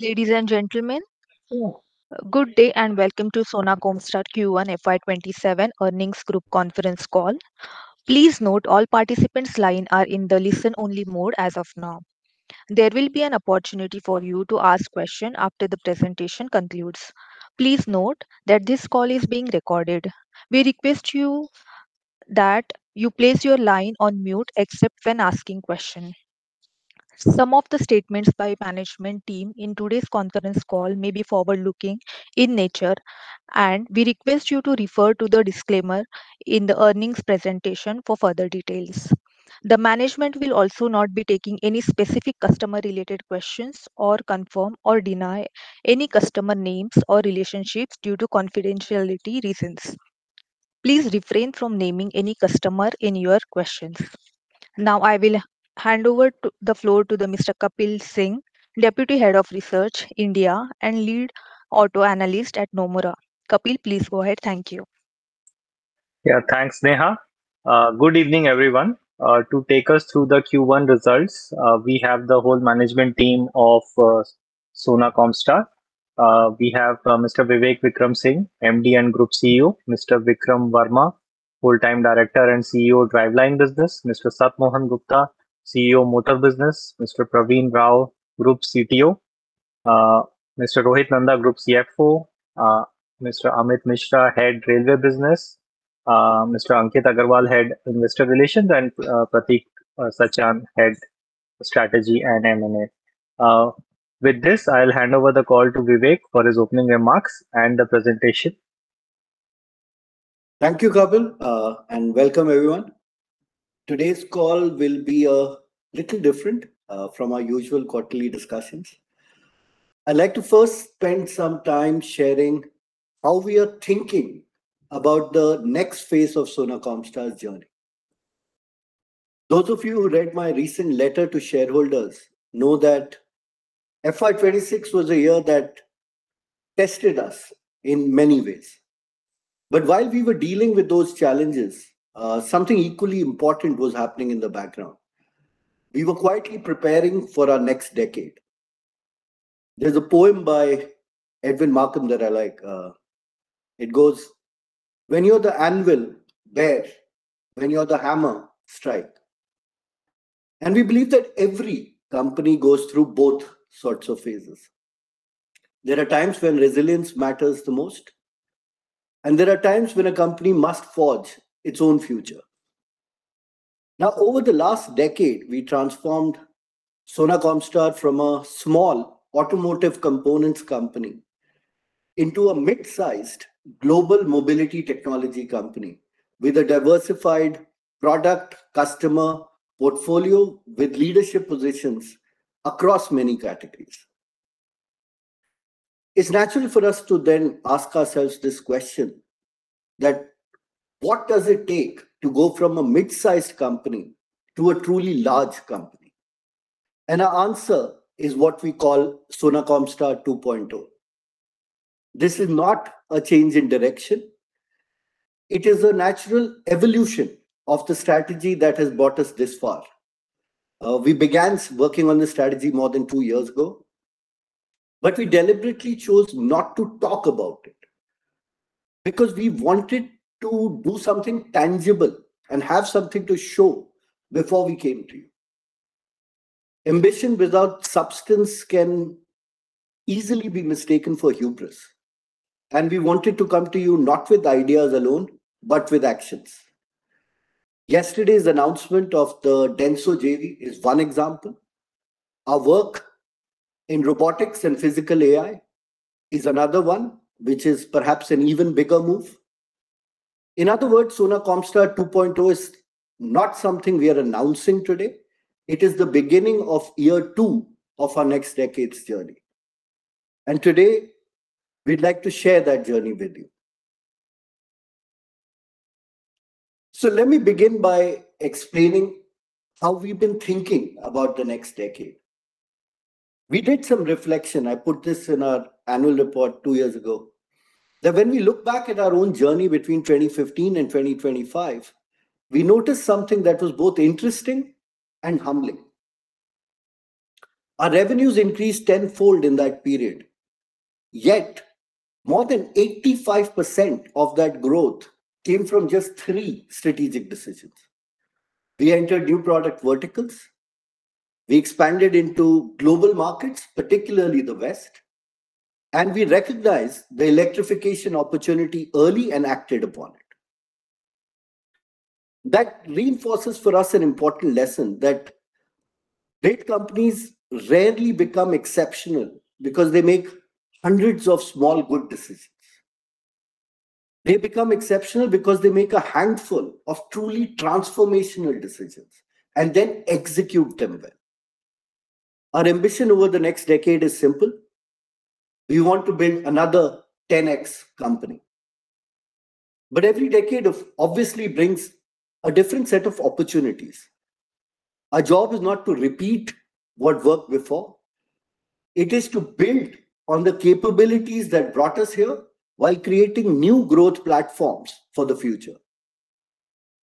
Ladies and gentlemen, good day, and welcome to Sona Comstar Q1 FY 2027 Earnings Group Conference Call. Please note all participants line are in the listen only mode as of now. There will be an opportunity for you to ask question after the presentation concludes. Please note that this call is being recorded. We request that you place your line on mute except when asking question. Some of the statements by management team in today's conference call may be forward-looking in nature, and we request you to refer to the disclaimer in the earnings presentation for further details. The management will also not be taking any specific customer-related questions or confirm or deny any customer names or relationships due to confidentiality reasons. Please refrain from naming any customer in your questions. Now I will hand over the floor to the Mr. Kapil Singh, Deputy Head of Research, India and Lead Auto Analyst at Nomura. Kapil, please go ahead. Thank you. Yeah. Thanks, Sneha. Good evening, everyone. To take us through the Q1 results, we have the whole management team of Sona Comstar. We have Mr. Vivek Vikram Singh, MD and Group CEO; Mr. Vikram Verma, Full-time Director and CEO, Driveline Business; Mr. Sat Mohan Gupta, CEO, Motor Business; Mr. Praveen Rao, Group CTO; Mr. Rohit Nanda, Group CFO; Mr. Amit Mishra, Head, Railway Business; Mr. Ankit Agrawal, Head, Investor Relations; and Pratik Sachan, Head, Strategy and M&A. With this, I'll hand over the call to Vivek for his opening remarks and the presentation. Thank you, Kapil, and welcome, everyone. Today's call will be a little different from our usual quarterly discussions. I'd like to first spend some time sharing how we are thinking about the next phase of Sona Comstar's journey. Those of you who read my recent letter to shareholders know that FY 2026 was a year that tested us in many ways. But while we were dealing with those challenges, something equally important was happening in the background. We were quietly preparing for our next decade. There's a poem by Edwin Markham that I like. It goes, "When you're the anvil, bear. When you're the hammer, strike." We believe that every company goes through both sorts of phases. There are times when resilience matters the most, and there are times when a company must forge its own future. Over the last decade, we transformed Sona Comstar from a small automotive components company into a mid-sized global mobility technology company with a diversified product customer portfolio with leadership positions across many categories. It's natural for us to then ask ourselves this question, that what does it take to go from a mid-sized company to a truly large company? Our answer is what we call Sona Comstar 2.0. This is not a change in direction. It is a natural evolution of the strategy that has brought us this far. We began working on this strategy more than two years ago, but we deliberately chose not to talk about it, because we wanted to do something tangible and have something to show before we came to you. Ambition without substance can easily be mistaken for hubris, we wanted to come to you not with ideas alone, but with actions. Yesterday's announcement of the DENSO JV is one example. Our work in robotics and physical AI is another one, which is perhaps an even bigger move. In other words, Sona Comstar 2.0 is not something we are announcing today. It is the beginning of year two of our next decade's journey. Today, we'd like to share that journey with you. Let me begin by explaining how we've been thinking about the next decade. We did some reflection. I put this in our annual report two years ago. When we look back at our own journey between 2015 and 2025, we noticed something that was both interesting and humbling. Our revenues increased tenfold in that period. More than 85% of that growth came from just three strategic decisions. We entered new product verticals. We expanded into global markets, particularly the West. We recognized the electrification opportunity early and acted upon it. Reinforces for us an important lesson, that great companies rarely become exceptional because they make hundreds of small, good decisions. They become exceptional because they make a handful of truly transformational decisions and then execute them well. Our ambition over the next decade is simple. We want to build another 10X company. Every decade obviously brings a different set of opportunities. Our job is not to repeat what worked before. It is to build on the capabilities that brought us here while creating new growth platforms for the future.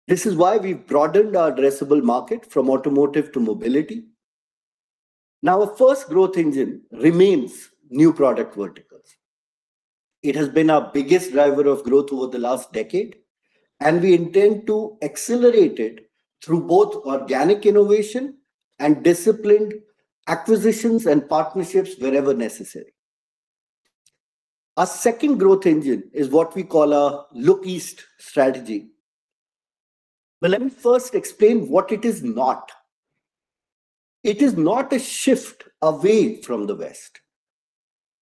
This is why we've broadened our addressable market from automotive to mobility. Our first growth engine remains new product verticals. It has been our biggest driver of growth over the last decade, we intend to accelerate it through both organic innovation and disciplined acquisitions and partnerships wherever necessary. Our second growth engine is what we call our Look East strategy. Let me first explain what it is not. It is not a shift away from the West.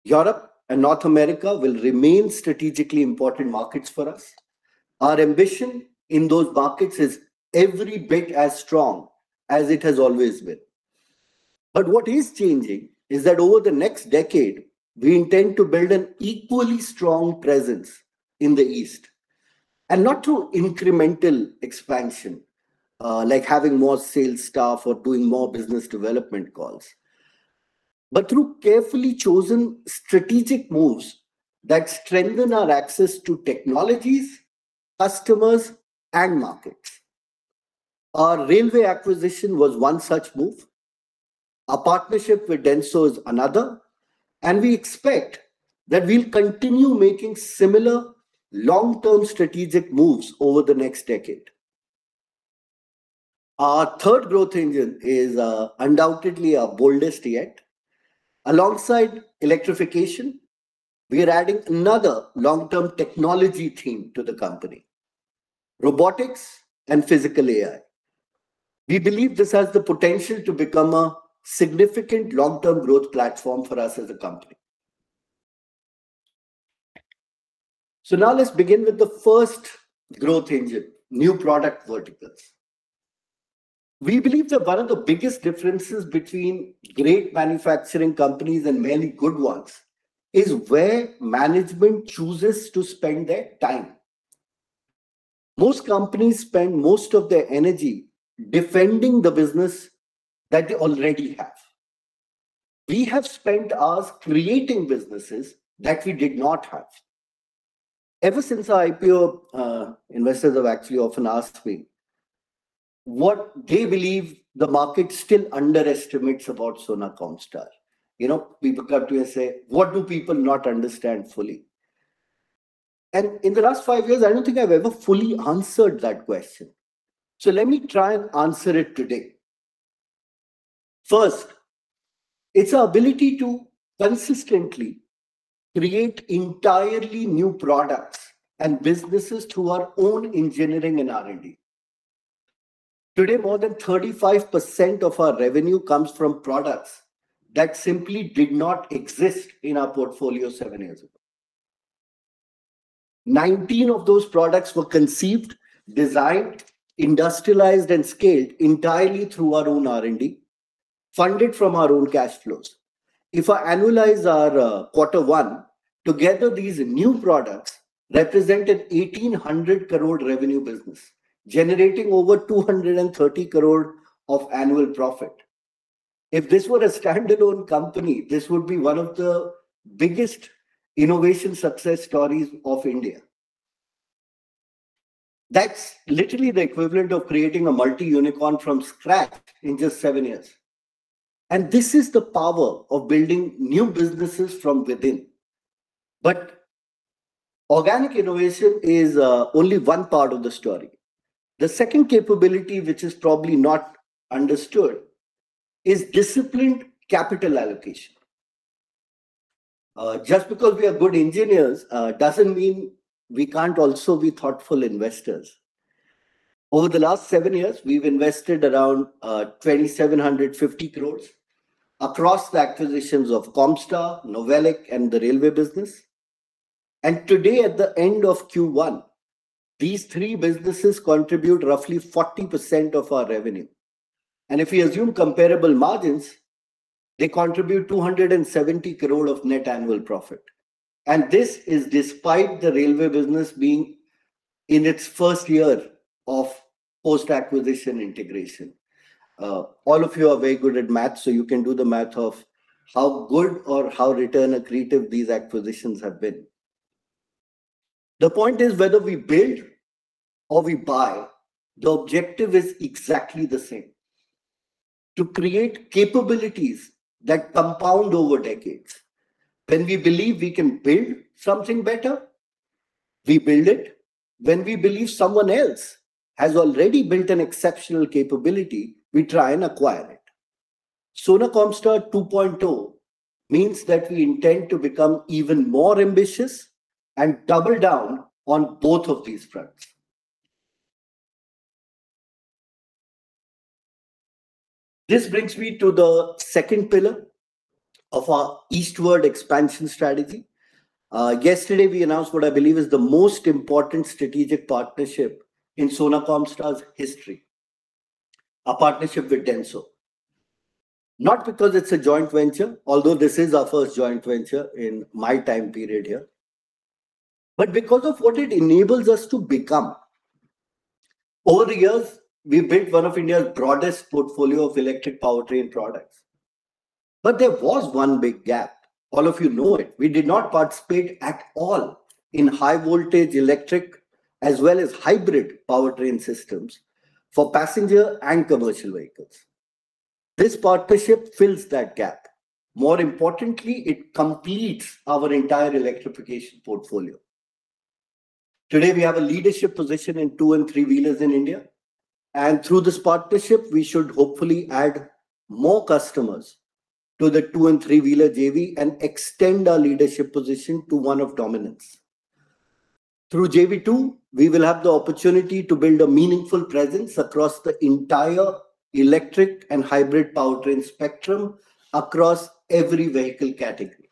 Europe and North America will remain strategically important markets for us. Our ambition in those markets is every bit as strong as it has always been. What is changing is that over the next decade, we intend to build an equally strong presence in the East, not through incremental expansion, like having more sales staff or doing more business development calls, but through carefully chosen strategic moves that strengthen our access to technologies, customers, and markets. Our railway acquisition was one such move. Our partnership with DENSO is another, and we expect that we'll continue making similar long-term strategic moves over the next decade. Our third growth engine is undoubtedly our boldest yet. Alongside electrification, we are adding another long-term technology theme to the company, robotics and physical AI. We believe this has the potential to become a significant long-term growth platform for us as a company. Now let's begin with the first growth engine, new product verticals. We believe that one of the biggest differences between great manufacturing companies and many good ones is where management chooses to spend their time. Most companies spend most of their energy defending the business that they already have. We have spent ours creating businesses that we did not have. Ever since our IPO, investors have actually often asked me what they believe the market still underestimates about Sona Comstar. People come to me and say, "What do people not understand fully?" In the last five years, I don't think I've ever fully answered that question. Let me try and answer it today. First, it's our ability to consistently create entirely new products and businesses through our own engineering and R&D. Today, more than 35% of our revenue comes from products that simply did not exist in our portfolio seven years ago. 19 of those products were conceived, designed, industrialized, and scaled entirely through our own R&D, funded from our own cash flows. If I annualize our Q1, together these new products represented 1,800 crore revenue business, generating over 230 crore of annual profit. If this were a standalone company, this would be one of the biggest innovation success stories of India. That's literally the equivalent of creating a multi-unicorn from scratch in just seven years. This is the power of building new businesses from within. Organic innovation is only one part of the story. The second capability, which is probably not understood, is disciplined capital allocation. Just because we are good engineers doesn't mean we can't also be thoughtful investors. Over the last seven years, we've invested around 2,750 crore across the acquisitions of Comstar, Novelic, and the Railway Business. Today, at the end of Q1, these three businesses contribute roughly 40% of our revenue. If we assume comparable margins, they contribute 270 crore of net annual profit. This is despite the Railway Business being in its first year of post-acquisition integration. All of you are very good at math, you can do the math of how good or how return accretive these acquisitions have been. The point is, whether we build or we buy, the objective is exactly the same: to create capabilities that compound over decades. When we believe we can build something better, we build it. When we believe someone else has already built an exceptional capability, we try and acquire it. Sona Comstar 2.0 means that we intend to become even more ambitious and double down on both of these fronts. This brings me to the second pillar of our eastward expansion strategy. Yesterday, we announced what I believe is the most important strategic partnership in Sona Comstar's history, our partnership with DENSO. Not because it's a joint venture, although this is our first joint venture in my time period here, because of what it enables us to become. Over the years, we've built one of India's broadest portfolio of electric powertrain products. There was one big gap. All of you know it. We did not participate at all in high voltage electric, as well as hybrid powertrain systems for passenger and commercial vehicles. This partnership fills that gap. More importantly, it completes our entire electrification portfolio. Today, we have a leadership position in two and three-wheelers in India, and through this partnership, we should hopefully add more customers to the two and three-wheeler JV and extend our leadership position to one of dominance. Through JV2, we will have the opportunity to build a meaningful presence across the entire electric and hybrid powertrain spectrum across every vehicle category.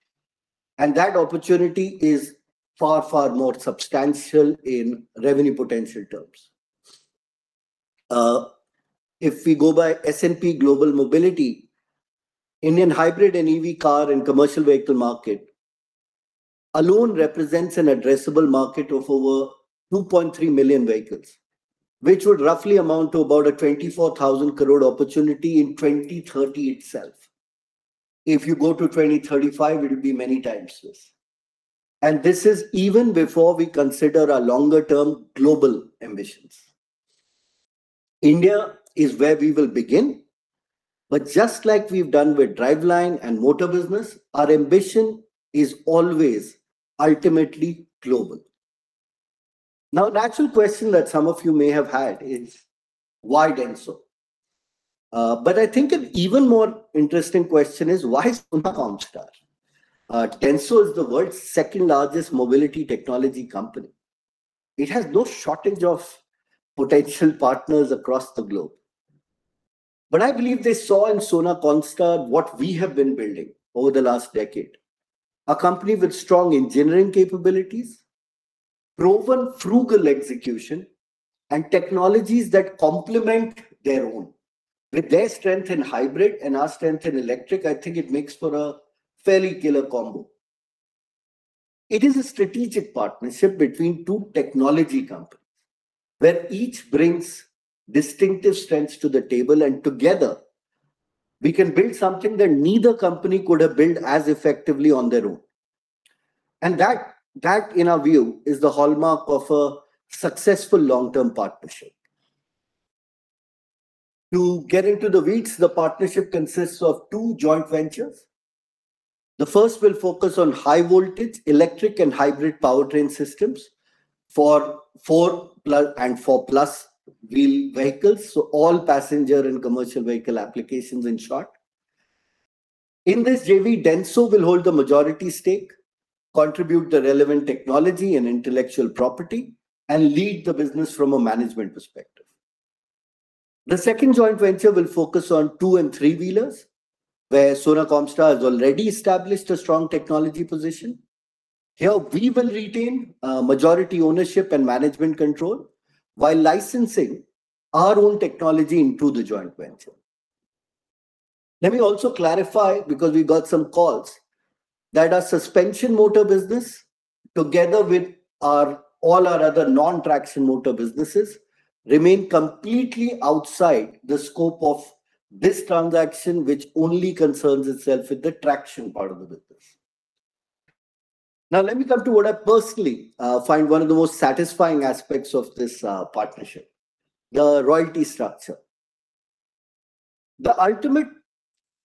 That opportunity is far, far more substantial in revenue potential terms. If we go by S&P Global Mobility, Indian hybrid and EV car and commercial vehicle market alone represents an addressable market of over 2.3 million vehicles, which would roughly amount to about a 24,000 crore opportunity in 2030 itself. If you go to 2035, it will be many times this. This is even before we consider our longer-term global ambitions. India is where we will begin, but just like we've done with driveline and motor business, our ambition is always ultimately global. The actual question that some of you may have had is, why DENSO? I think an even more interesting question is, why Sona Comstar? DENSO is the world's second-largest mobility technology company. It has no shortage of potential partners across the globe. I believe they saw in Sona Comstar what we have been building over the last decade. A company with strong engineering capabilities, proven frugal execution, and technologies that complement their own. With their strength in hybrid and our strength in electric, I think it makes for a fairly killer combo. It is a strategic partnership between two technology companies, where each brings distinctive strengths to the table, and together we can build something that neither company could have built as effectively on their own. That, in our view, is the hallmark of a successful long-term partnership. To get into the weeds, the partnership consists of two joint ventures. The first will focus on high voltage electric and hybrid powertrain systems for four-plus wheel vehicles, so all passenger and commercial vehicle applications, in short. In this JV, DENSO will hold the majority stake, contribute the relevant technology and intellectual property, and lead the business from a management perspective. The second joint venture will focus on two and three-wheelers, where Sona Comstar has already established a strong technology position. Here we will retain majority ownership and management control while licensing our own technology into the joint venture. Let me also clarify, because we got some calls, that our suspension motor business, together with all our other non-traction motor businesses, remain completely outside the scope of this transaction, which only concerns itself with the traction part of the business. Let me come to what I personally find one of the most satisfying aspects of this partnership, the royalty structure. The ultimate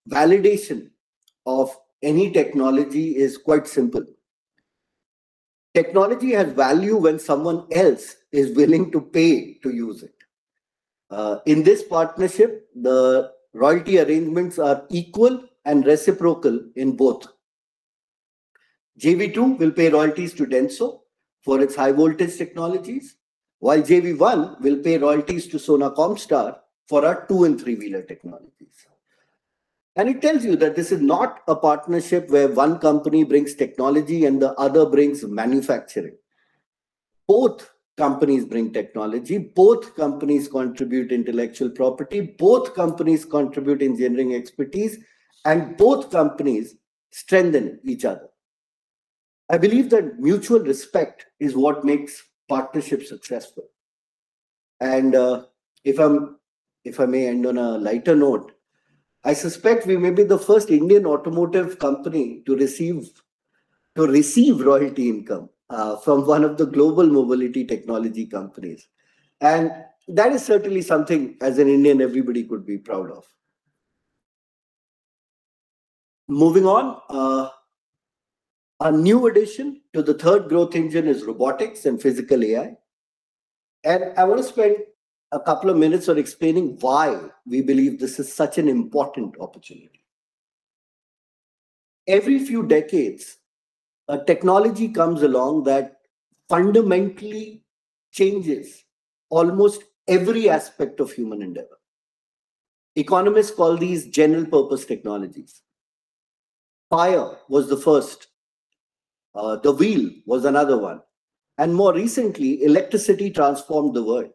validation of any technology is quite simple. Technology has value when someone else is willing to pay to use it. In this partnership, the royalty arrangements are equal and reciprocal in both. JV2 will pay royalties to DENSO for its high voltage technologies, while JV1 will pay royalties to Sona Comstar for our two and three-wheeler technologies. It tells you that this is not a partnership where one company brings technology and the other brings manufacturing. Both companies bring technology, both companies contribute intellectual property, both companies contribute engineering expertise, and both companies strengthen each other. I believe that mutual respect is what makes partnerships successful. If I may end on a lighter note, I suspect we may be the first Indian automotive company to receive royalty income from one of the global mobility technology companies. That is certainly something, as an Indian, everybody could be proud of. Moving on. A new addition to the third growth engine is robotics and physical AI. I want to spend a couple of minutes on explaining why we believe this is such an important opportunity. Every few decades, a technology comes along that fundamentally changes almost every aspect of human endeavor. Economists call these general purpose technologies. Fire was the first, the wheel was another one, and more recently, electricity transformed the world.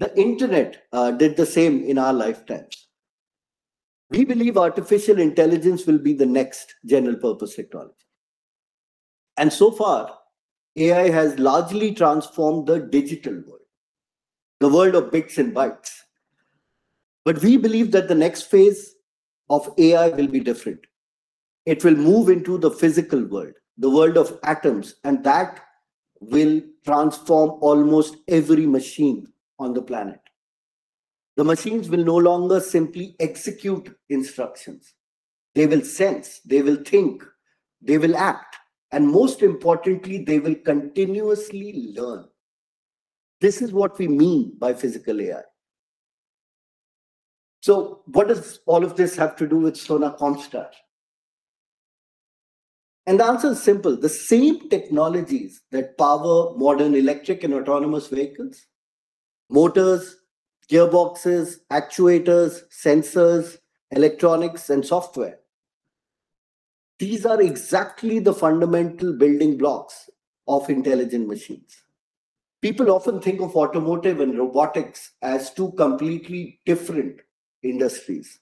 The internet did the same in our lifetimes. We believe artificial intelligence will be the next general-purpose technology. So far, AI has largely transformed the digital world, the world of bits and bytes. We believe that the next phase of AI will be different. It will move into the physical world, the world of atoms, and that will transform almost every machine on the planet. The machines will no longer simply execute instructions. They will sense, they will think, they will act, and most importantly, they will continuously learn. This is what we mean by physical AI. What does all of this have to do with Sona Comstar? The answer is simple. The same technologies that power modern electric and autonomous vehicles, motors, gearboxes, actuators, sensors, electronics, and software. These are exactly the fundamental building blocks of intelligent machines. People often think of automotive and robotics as two completely different industries.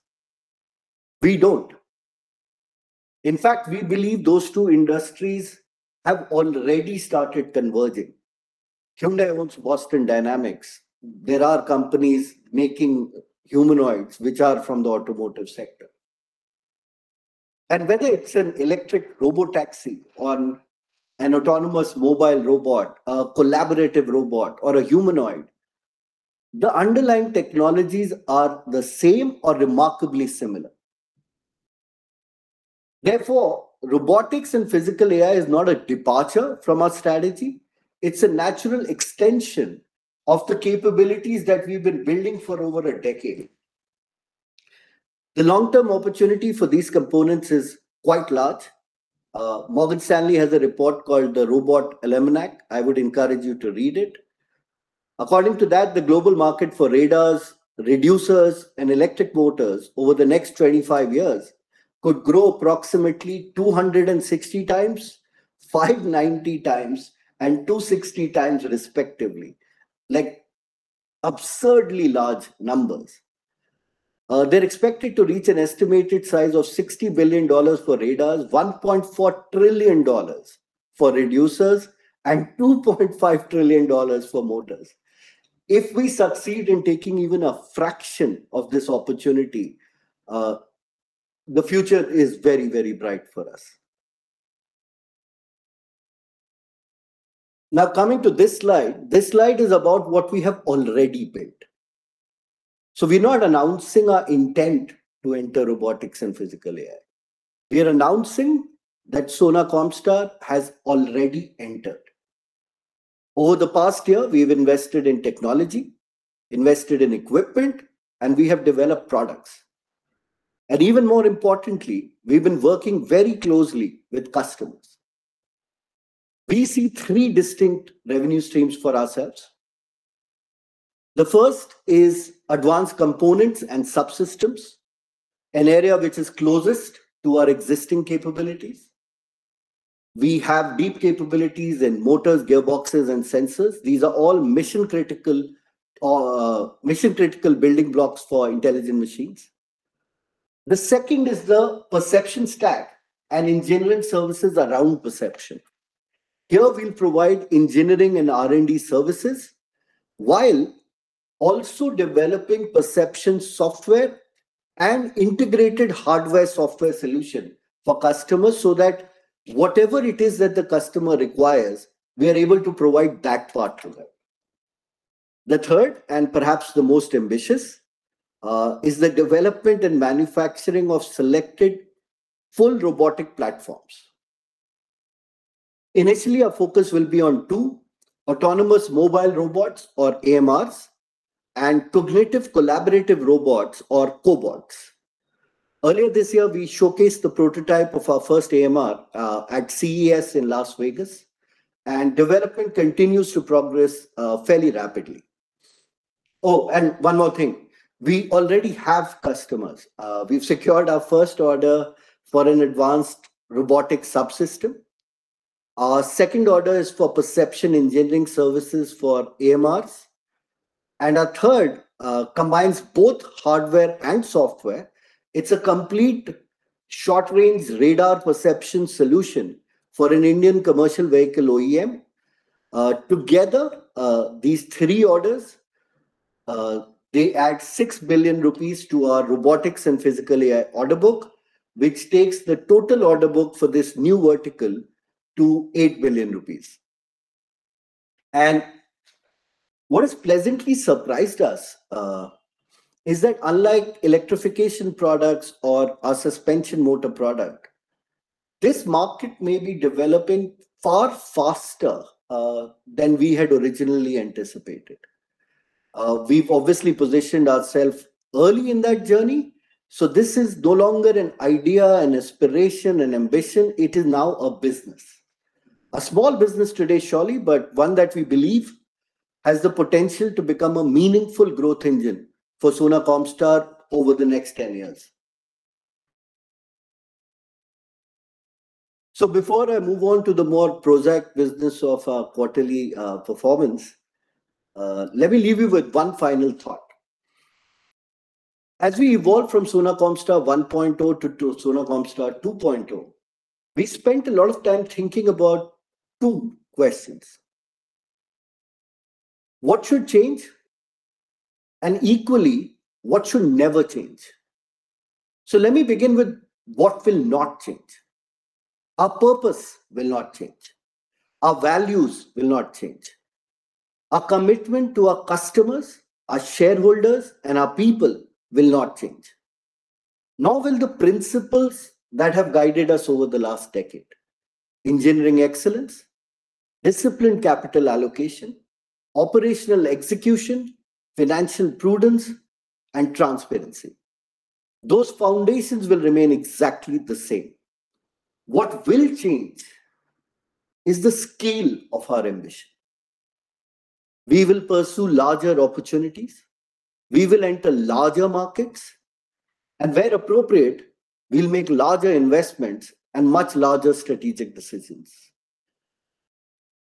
We don't. In fact, we believe those two industries have already started converging. Hyundai owns Boston Dynamics. There are companies making humanoids which are from the automotive sector. Whether it's an electric robotaxi or an autonomous mobile robot, a collaborative robot, or a humanoid, the underlying technologies are the same or remarkably similar. Therefore, robotics and physical AI is not a departure from our strategy. It's a natural extension of the capabilities that we've been building for over a decade. The long-term opportunity for these components is quite large. Morgan Stanley has a report called "The Robot Almanac." I would encourage you to read it. According to that, the global market for radars, reducers, and electric motors over the next 25 years could grow approximately 260 times, 590 times, and 260 times, respectively. Like, absurdly large numbers. They're expected to reach an estimated size of $60 billion for radars, $1.4 trillion for reducers, and $2.5 trillion for motors. If we succeed in taking even a fraction of this opportunity, the future is very bright for us. Now, coming to this slide. This slide is about what we have already built. We're not announcing our intent to enter robotics and physical AI. We are announcing that Sona Comstar has already entered. Over the past year, we've invested in technology, invested in equipment, and we have developed products. Even more importantly, we've been working very closely with customers. We see three distinct revenue streams for ourselves. The first is advanced components and subsystems, an area which is closest to our existing capabilities. We have deep capabilities in motors, gearboxes, and sensors. These are all mission-critical building blocks for intelligent machines. The second is the perception stack and engineering services around perception. Here we'll provide engineering and R&D services while also developing perception software and integrated hardware-software solution for customers so that whatever it is that the customer requires, we are able to provide that part to them. The third, and perhaps the most ambitious, is the development and manufacturing of selected full robotic platforms. Initially, our focus will be on two autonomous mobile robots, or AMRs, and cognitive collaborative robots, or cobots. Earlier this year, we showcased the prototype of our first AMR at CES in Las Vegas, development continues to progress fairly rapidly. One more thing. We already have customers. We've secured our first order for an advanced robotic subsystem. Our second order is for perception engineering services for AMRs. Our third combines both hardware and software. It's a complete short-range radar perception solution for an Indian commercial vehicle OEM. Together, these three orders, they add 6 billion rupees to our robotics and physical AI order book, which takes the total order book for this new vertical to 8 billion rupees. What has pleasantly surprised us is that unlike electrification products or our suspension motor product, this market may be developing far faster than we had originally anticipated. We've obviously positioned ourself early in that journey, this is no longer an idea, an inspiration, an ambition. It is now a business. A small business today, surely, but one that we believe has the potential to become a meaningful growth engine for Sona Comstar over the next 10 years. Before I move on to the more prosaic business of our quarterly performance, let me leave you with one final thought. As we evolve from Sona Comstar 1.0 to Sona Comstar 2.0, we spent a lot of time thinking about two questions. What should change? Equally, what should never change? Let me begin with what will not change. Our purpose will not change. Our values will not change. Our commitment to our customers, our shareholders, and our people will not change. Nor will the principles that have guided us over the last decade. Engineering excellence, disciplined capital allocation, operational execution, financial prudence, and transparency. Those foundations will remain exactly the same. What will change is the scale of our ambition. We will pursue larger opportunities, we will enter larger markets, and where appropriate, we'll make larger investments and much larger strategic decisions.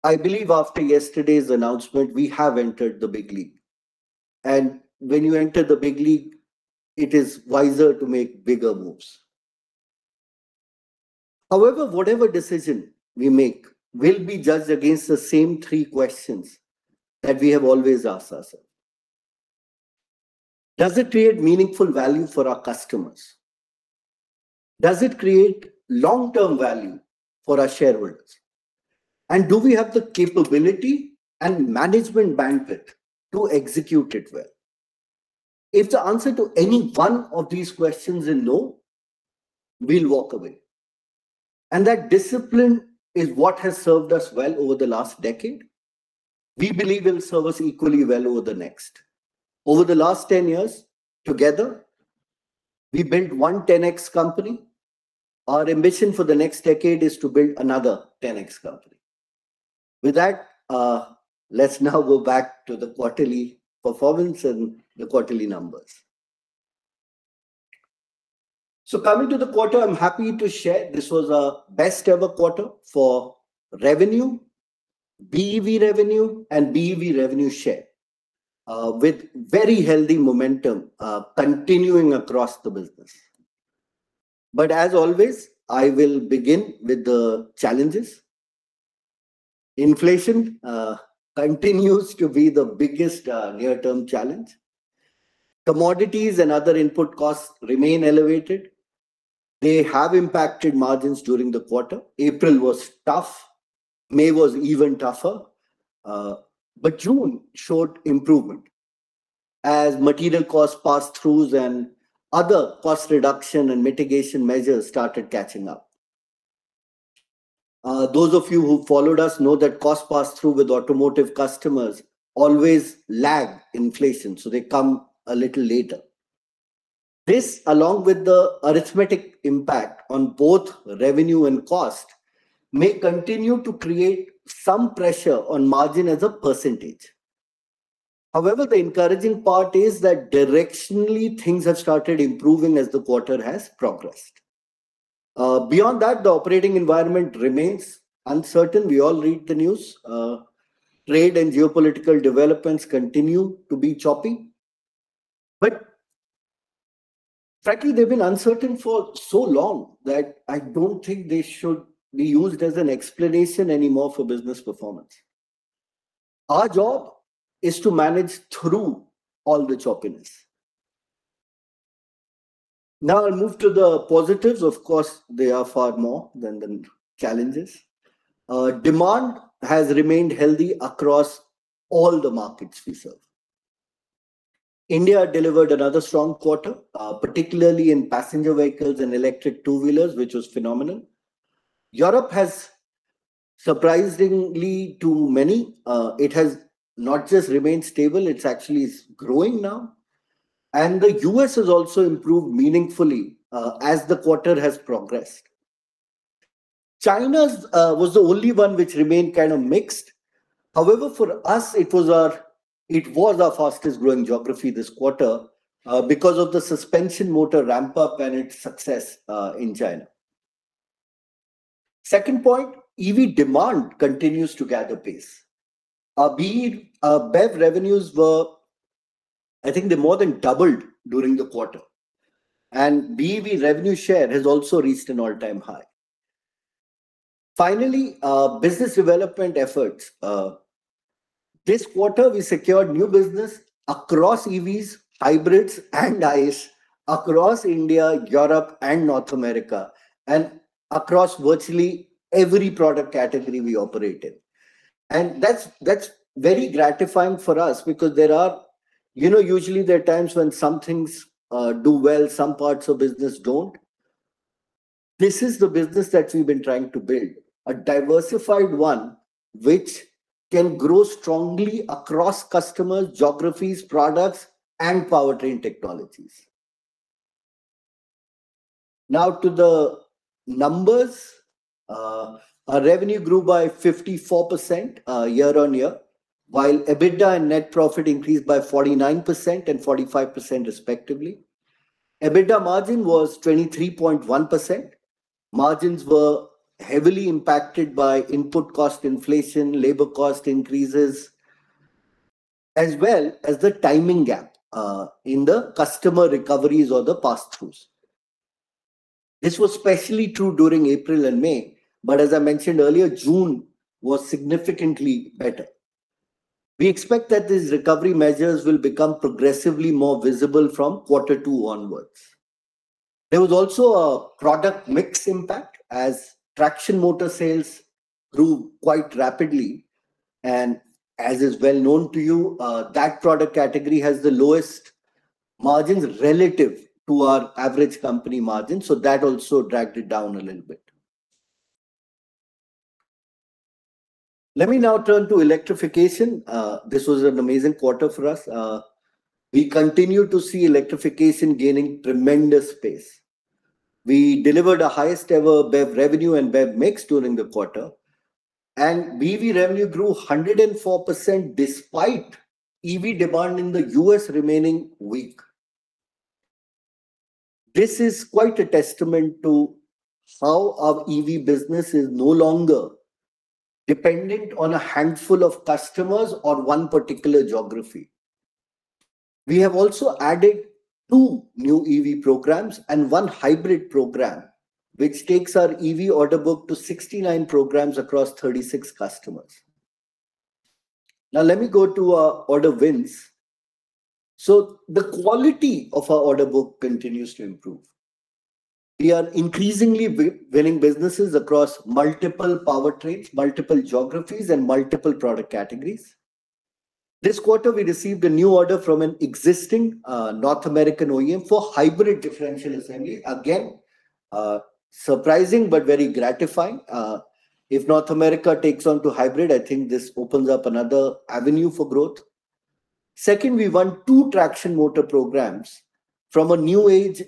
I believe after yesterday's announcement, we have entered the big league. When you enter the big league, it is wiser to make bigger moves. However, whatever decision we make will be judged against the same three questions that we have always asked ourselves. Does it create meaningful value for our customers? Does it create long-term value for our shareholders? Do we have the capability and management bandwidth to execute it well? If the answer to any one of these questions is no, we'll walk away. That discipline is what has served us well over the last decade, we believe will serve us equally well over the next. Over the last 10 years, together, we built one 10X company. Our ambition for the next decade is to build another 10X company. With that, let's now go back to the quarterly performance and the quarterly numbers. Coming to the quarter, I'm happy to share this was our best ever quarter for revenue, BEV revenue, and BEV revenue share, with very healthy momentum continuing across the business. As always, I will begin with the challenges. Inflation continues to be the biggest near-term challenge. Commodities and other input costs remain elevated. They have impacted margins during the quarter. April was tough, May was even tougher, June showed improvement as material cost pass-throughs and other cost reduction and mitigation measures started catching up. Those of you who followed us know that cost pass-through with automotive customers always lag inflation, so they come a little later. This, along with the arithmetic impact on both revenue and cost, may continue to create some pressure on margin as a percentage. However, the encouraging part is that directionally things have started improving as the quarter has progressed. Beyond that, the operating environment remains uncertain. We all read the news. Trade and geopolitical developments continue to be choppy. Frankly, they've been uncertain for so long that I don't think they should be used as an explanation anymore for business performance. Our job is to manage through all the choppiness. I'll move to the positives. Of course, they are far more than the challenges. Demand has remained healthy across all the markets we serve. India delivered another strong quarter, particularly in passenger vehicles and electric two-wheelers, which was phenomenal. Europe has, surprisingly to many, it has not just remained stable, it actually is growing now. The U.S. has also improved meaningfully as the quarter has progressed. China's was the only one which remained kind of mixed. However, for us, it was our fastest growing geography this quarter because of the suspension motor ramp-up and its success in China. Second point, EV demand continues to gather pace. BEV revenues were, I think they more than doubled during the quarter. BEV revenue share has also reached an all-time high. Finally, business development efforts. This quarter, we secured new business across EVs, hybrids, and ICE across India, Europe, and North America, across virtually every product category we operate in. That's very gratifying for us because usually there are times when some things do well, some parts of business don't. This is the business that we've been trying to build, a diversified one, which can grow strongly across customers, geographies, products, and powertrain technologies. To the numbers. Our revenue grew by 54% year-on-year, while EBITDA and net profit increased by 49% and 45%, respectively. EBITDA margin was 23.1%. Margins were heavily impacted by input cost inflation, labor cost increases, as well as the timing gap in the customer recoveries or the pass-throughs. This was especially true during April and May, but as I mentioned earlier, June was significantly better. We expect that these recovery measures will become progressively more visible from quarter two onwards. There was also a product mix impact as traction motor sales grew quite rapidly, and as is well known to you, that product category has the lowest margins relative to our average company margin. That also dragged it down a little bit. Let me now turn to electrification. This was an amazing quarter for us. We continue to see electrification gaining tremendous pace. We delivered a highest-ever BEV revenue and BEV mix during the quarter, and BEV revenue grew 104% despite EV demand in the U.S. remaining weak. This is quite a testament to how our EV business is no longer dependent on a handful of customers or one particular geography. We have also added two new EV programs and 1 hybrid program, which takes our EV order book to 69 programs across 36 customers. Let me go to our order wins. The quality of our order book continues to improve. We are increasingly winning businesses across multiple power trains, multiple geographies, and multiple product categories. This quarter, we received a new order from an existing North American OEM for hybrid differential assembly. Again, surprising but very gratifying. If North America takes on to hybrid, I think this opens up another avenue for growth. Second, we won two traction motor programs from a new age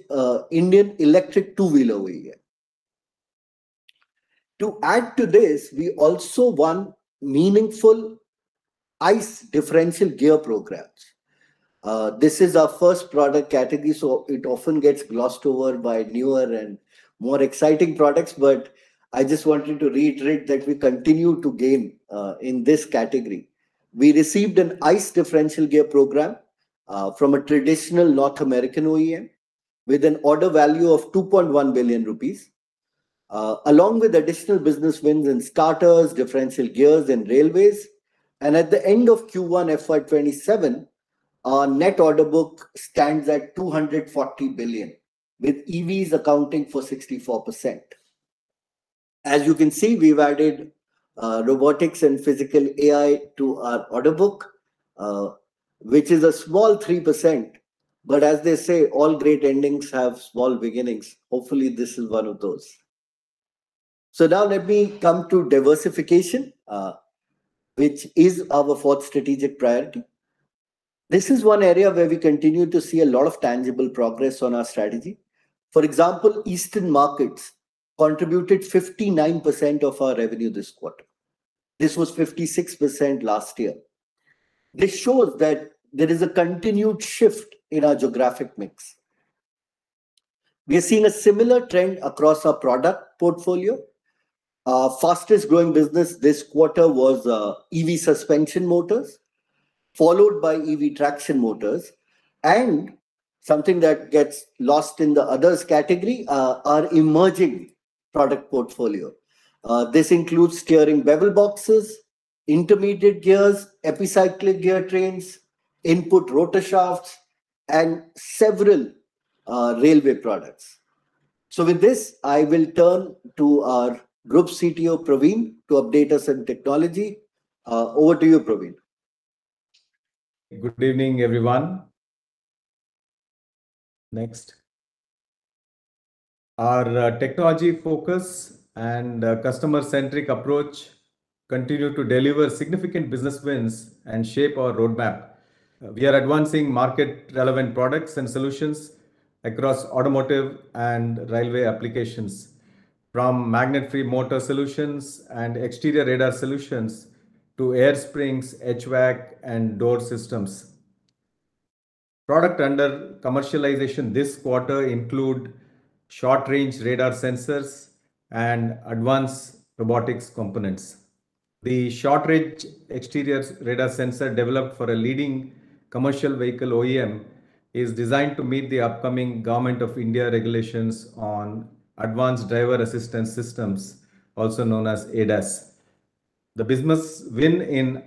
Indian electric two-wheeler OEM. To add to this, we also won meaningful ICE differential gear programs. This is our first product category, so it often gets glossed over by newer and more exciting products, but I just wanted to reiterate that we continue to gain in this category. We received an ICE differential gear program from a traditional North American OEM with an order value of 2.1 billion rupees, along with additional business wins in starters, differential gears, and railways. At the end of Q1 FY 2027, our net order book stands at 240 billion, with EVs accounting for 64%. As you can see, we've added robotics and physical AI to our order book, which is a small 3%. As they say, all great endings have small beginnings. Hopefully, this is one of those. Let me come to diversification, which is our fourth strategic priority. This is one area where we continue to see a lot of tangible progress on our strategy. For example, eastern markets contributed 59% of our revenue this quarter. This was 56% last year. This shows that there is a continued shift in our geographic mix. We are seeing a similar trend across our product portfolio. Our fastest-growing business this quarter was EV suspension motors, followed by EV traction motors, and something that gets lost in the others category are emerging product portfolio. This includes steering bevel boxes, intermediate gears, epicyclic gear trains, input rotor shafts, and several railway products. With this, I will turn to our Group CTO, Praveen, to update us on technology. Over to you, Praveen. Good evening, everyone. Our technology focus and customer-centric approach continue to deliver significant business wins and shape our roadmap. We are advancing market-relevant products and solutions across automotive and railway applications, from magnet-free motor solutions and exterior radar solutions to air springs, HVAC, and door systems. Products under commercialization this quarter include short-range radar sensors and advanced robotics components. The short-range exterior radar sensor developed for a leading commercial vehicle OEM is designed to meet the upcoming Government of India regulations on advanced driver assistance systems, also known as ADAS. The business win in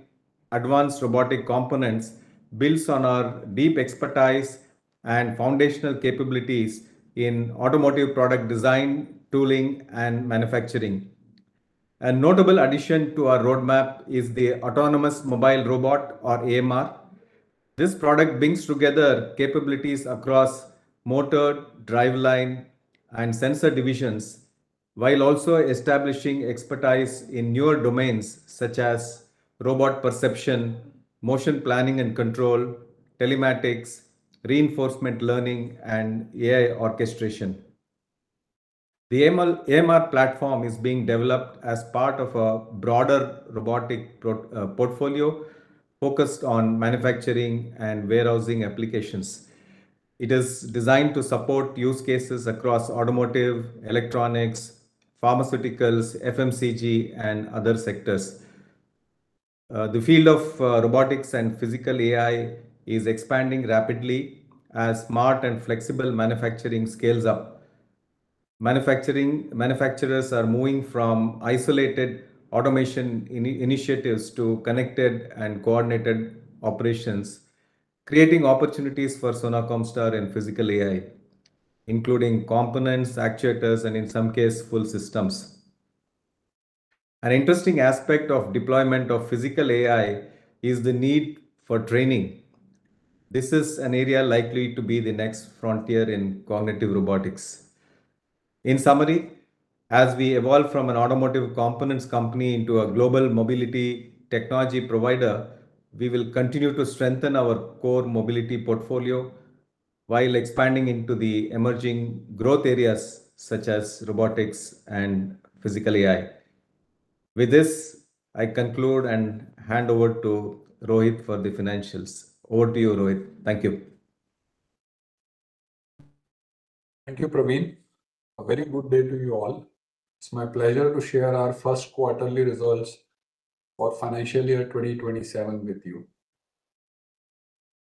advanced robotic components builds on our deep expertise and foundational capabilities in automotive product design, tooling, and manufacturing. A notable addition to our roadmap is the autonomous mobile robot or AMR. This product brings together capabilities across motor, driveline, and sensor divisions, while also establishing expertise in newer domains such as robot perception, motion planning and control, telematics, reinforcement learning, and AI orchestration. The AMR platform is being developed as part of a broader robotic portfolio focused on manufacturing and warehousing applications. It is designed to support use cases across automotive, electronics, pharmaceuticals, FMCG, and other sectors. The field of robotics and physical AI is expanding rapidly as smart and flexible manufacturing scales up. Manufacturers are moving from isolated automation initiatives to connected and coordinated operations, creating opportunities for Sona Comstar in physical AI, including components, actuators, and in some cases, full systems. An interesting aspect of deployment of physical AI is the need for training. This is an area likely to be the next frontier in cognitive robotics. In summary, as we evolve from an automotive components company into a global mobility technology provider, we will continue to strengthen our core mobility portfolio while expanding into the emerging growth areas such as robotics and physical AI. With this, I conclude and hand over to Rohit for the financials. Over to you, Rohit. Thank you. Thank you, Praveen. A very good day to you all. It is my pleasure to share our first quarterly results for financial year 2027 with you.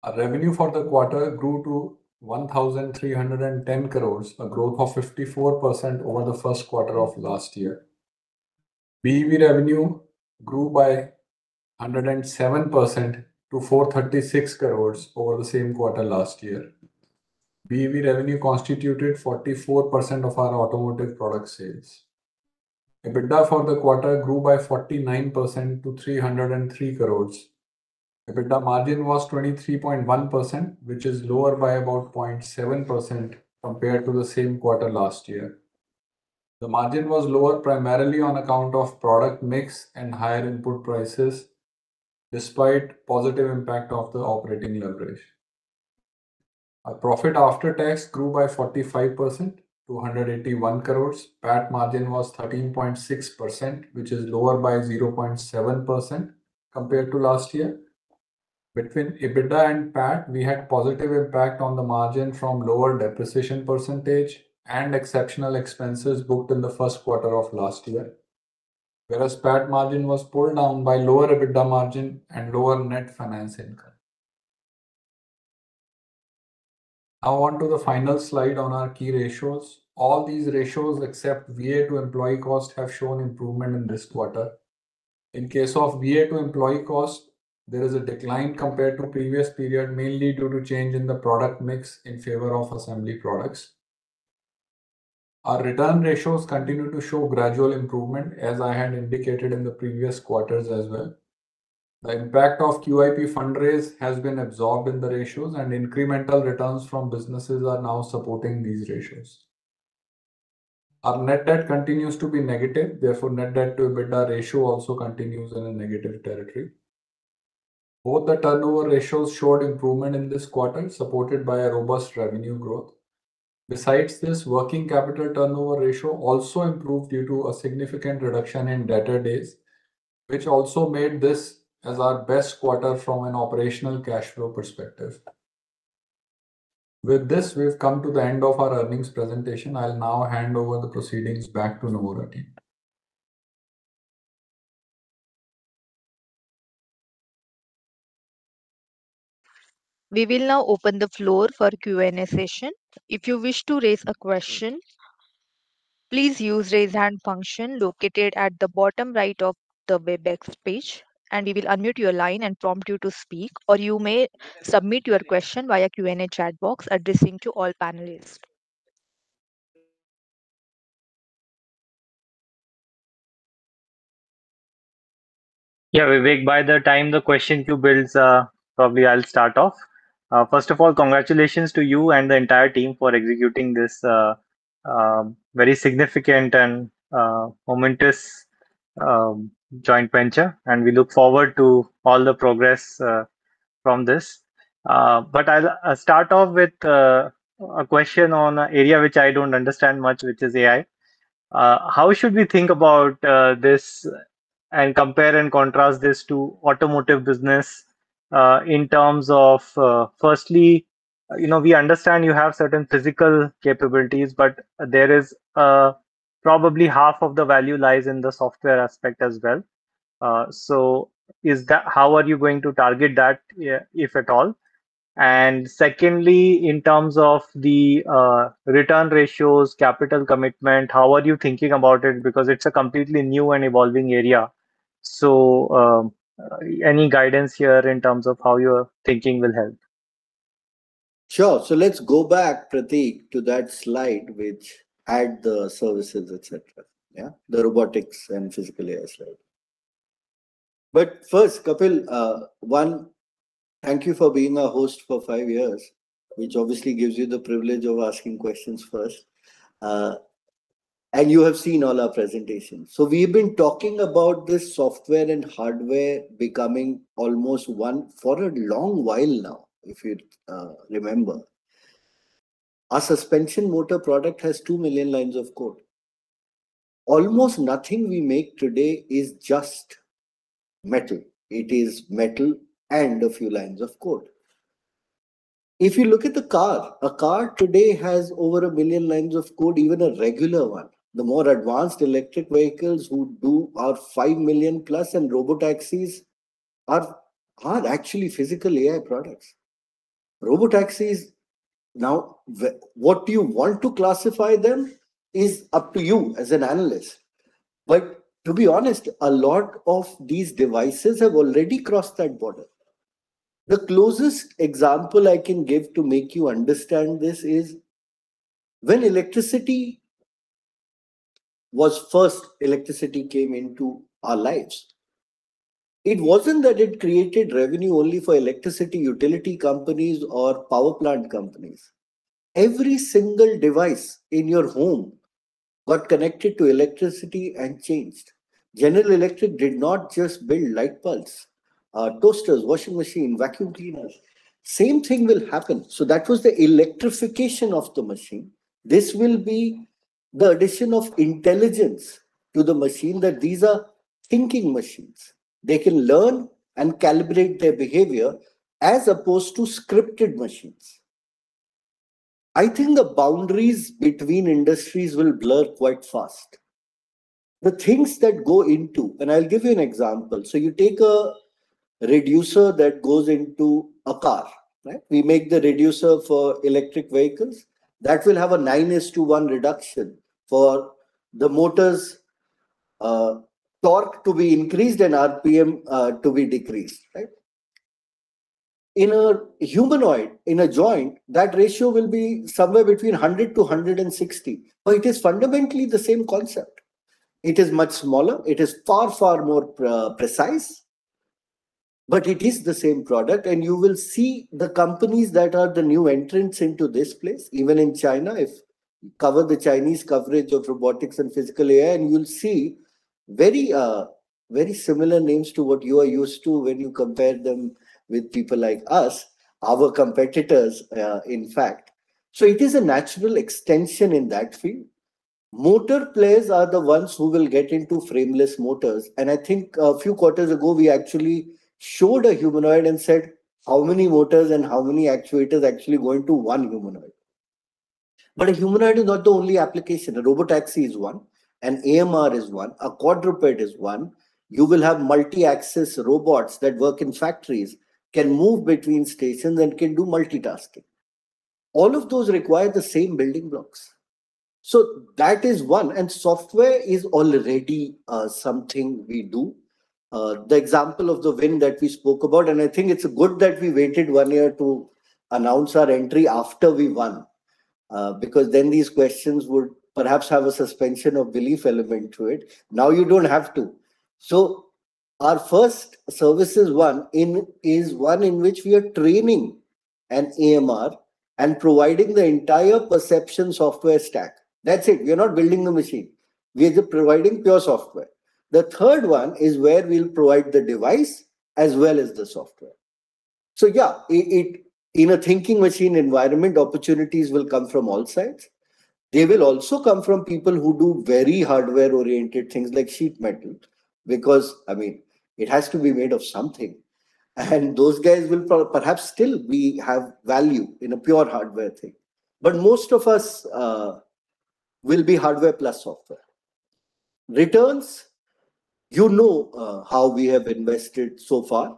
Our revenue for the quarter grew to 1,310 crore, a growth of 54% over the first quarter of last year. BEV revenue grew by 107% to 436 crore over the same quarter last year. BEV revenue constituted 44% of our automotive product sales. EBITDA for the quarter grew by 49% to 303 crore. EBITDA margin was 23.1%, which is lower by about 0.7% compared to the same quarter last year. The margin was lower primarily on account of product mix and higher input prices, despite positive impact of the operating leverage. Our profit after tax grew by 45% to 181 crore. PAT margin was 13.6%, which is lower by 0.7% compared to last year. Between EBITDA and PAT, we had positive impact on the margin from lower depreciation percentage and exceptional expenses booked in the first quarter of last year. Whereas PAT margin was pulled down by lower EBITDA margin and lower net finance income. Now on to the final slide on our key ratios. All these ratios except VA to employee cost have shown improvement in this quarter. In case of VA to employee cost, there is a decline compared to previous period, mainly due to change in the product mix in favor of assembly products. Our return ratios continue to show gradual improvement, as I had indicated in the previous quarters as well. The impact of QIP fundraise has been absorbed in the ratios, and incremental returns from businesses are now supporting these ratios. Our net debt continues to be negative, therefore net debt to EBITDA ratio also continues in a negative territory. Both the turnover ratios showed improvement in this quarter, supported by a robust revenue growth. Besides this, working capital turnover ratio also improved due to a significant reduction in debtor days, which also made this as our best quarter from an operational cash flow perspective. With this, we've come to the end of our earnings presentation. I'll now hand over the proceedings back to Kapil. We will now open the floor for Q&A session. If you wish to raise a question, please use raise hand function located at the bottom right of the Webex page. We will unmute your line and prompt you to speak. You may submit your question via Q&A chat box addressing to all panelists. Yeah, Vivek, by the time the question queue builds up, probably I'll start off. First of all, congratulations to you and the entire team for executing this very significant and momentous joint venture. We look forward to all the progress from this. I'll start off with a question on a area which I don't understand much, which is AI. How should we think about this and compare and contrast this to automotive business in terms of, firstly, we understand you have certain physical capabilities, but there is probably half of the value lies in the software aspect as well. How are you going to target that, if at all? Secondly, in terms of the return ratios, capital commitment, how are you thinking about it? Because it's a completely new and evolving area. Any guidance here in terms of how your thinking will help? Sure. Let's go back, Pratik, to that slide which had the services, et cetera. Yeah? The robotics and physical AI slide. First, Kapil, one, thank you for being a host for five years, which obviously gives you the privilege of asking questions first. You have seen all our presentations. We've been talking about this software and hardware becoming almost one for a long while now, if you remember. Our suspension motor product has two million lines of code. Almost nothing we make today is just metal. It is metal and a few lines of code. If you look at the car, a car today has over a billion lines of code, even a regular one. The more advanced electric vehicles who do are five million plus, and robotaxis are actually physical AI products. Robotaxis, now, what you want to classify them is up to you as an analyst, to be honest, a lot of these devices have already crossed that border. The closest example I can give to make you understand this is when first electricity came into our lives, it wasn't that it created revenue only for electricity utility companies or power plant companies. Every single device in your home got connected to electricity and changed. General Electric did not just build light bulbs. Toasters, washing machine, vacuum cleaners. Same thing will happen. That was the electrification of the machine. This will be the addition of intelligence to the machine, that these are thinking machines. They can learn and calibrate their behavior as opposed to scripted machines. I think the boundaries between industries will blur quite fast. The things that go into-- I'll give you an example. You take a reducer that goes into a car, right? We make the reducer for electric vehicles. That will have a nine is to one reduction for the motor's torque to be increased and RPM to be decreased, right? In a humanoid, in a joint, that ratio will be somewhere between 100-160, it is fundamentally the same concept. It is much smaller, it is far, far more precise, it is the same product. You will see the companies that are the new entrants into this place, even in China, if you cover the Chinese coverage of robotics and physical AI, you will see very similar names to what you are used to when you compare them with people like us, our competitors, in fact. It is a natural extension in that field. Motor players are the ones who will get into frameless motors, I think a few quarters ago, we actually showed a humanoid and said how many motors and how many actuators actually go into one humanoid. A humanoid is not the only application. A robotaxi is one, an AMR is one, a quadruped is one. You will have multi-axis robots that work in factories, can move between stations, can do multitasking. All of those require the same building blocks. That is one. Software is already something we do. The example of the win that we spoke about, and I think it's good that we waited one year to announce our entry after we won, because then these questions would perhaps have a suspension of belief element to it. Now you don't have to. Our first services one is one in which we are training an AMR and providing the entire perception software stack. That's it. We are not building the machine. We are providing pure software. The third one is where we'll provide the device as well as the software. Yeah, in a thinking machine environment, opportunities will come from all sides. They will also come from people who do very hardware-oriented things like sheet metal, because it has to be made of something, and those guys will perhaps still have value in a pure hardware thing. Most of us will be hardware plus software. Returns, you know how we have invested so far.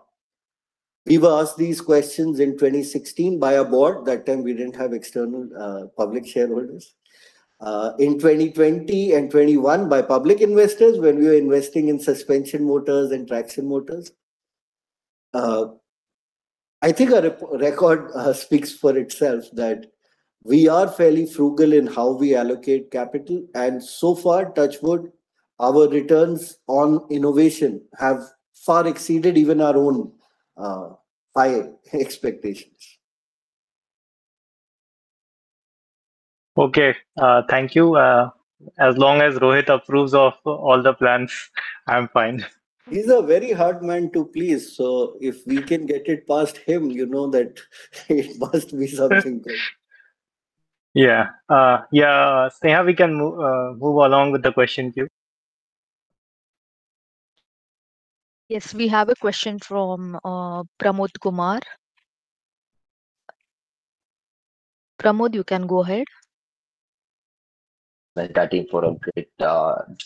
We were asked these questions in 2016 by our board. That time, we didn't have external public shareholders. In 2020 and 2021 by public investors when we were investing in suspension motors and traction motors. I think our record speaks for itself, that we are fairly frugal in how we allocate capital, and so far, touch wood, our returns on innovation have far exceeded even our own high expectations. Okay. Thank you. As long as Rohit approves of all the plans, I'm fine. He's a very hard man to please, so if we can get it past him, you know that it must be something good. Yeah. Sneha, we can move along with the question queue. Yes. We have a question from Pramod Kumar. Pramod, you can go ahead. Thank you for a great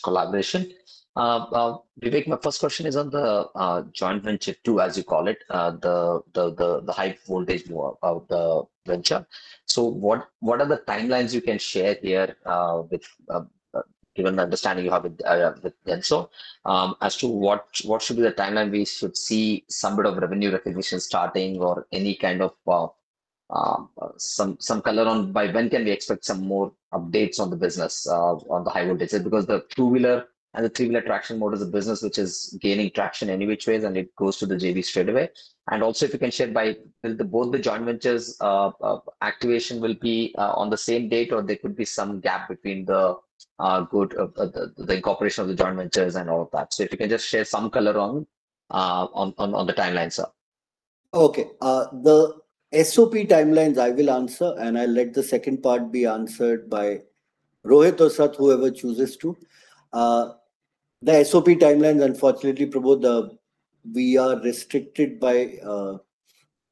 collaboration. Vivek, my first question is on the joint venture two, as you call it, the high voltage venture. What are the timelines you can share here with given the understanding you have with DENSO as to what should be the timeline we should see some bit of revenue recognition starting or any kind of some color on by when can we expect some more updates on the business on the high voltage? The two-wheeler and the three-wheeler traction motor is a business which is gaining traction any which ways, and it goes to the JV straightaway. Also, if you can share by both the joint ventures activation will be on the same date, or there could be some gap between the incorporation of the joint ventures and all of that. If you can just share some color on the timelines. Okay. The SOP timelines I will answer, and I'll let the second part be answered by Rohit or Sat, whoever chooses to. The SOP timelines, unfortunately, Pramod, we are restricted by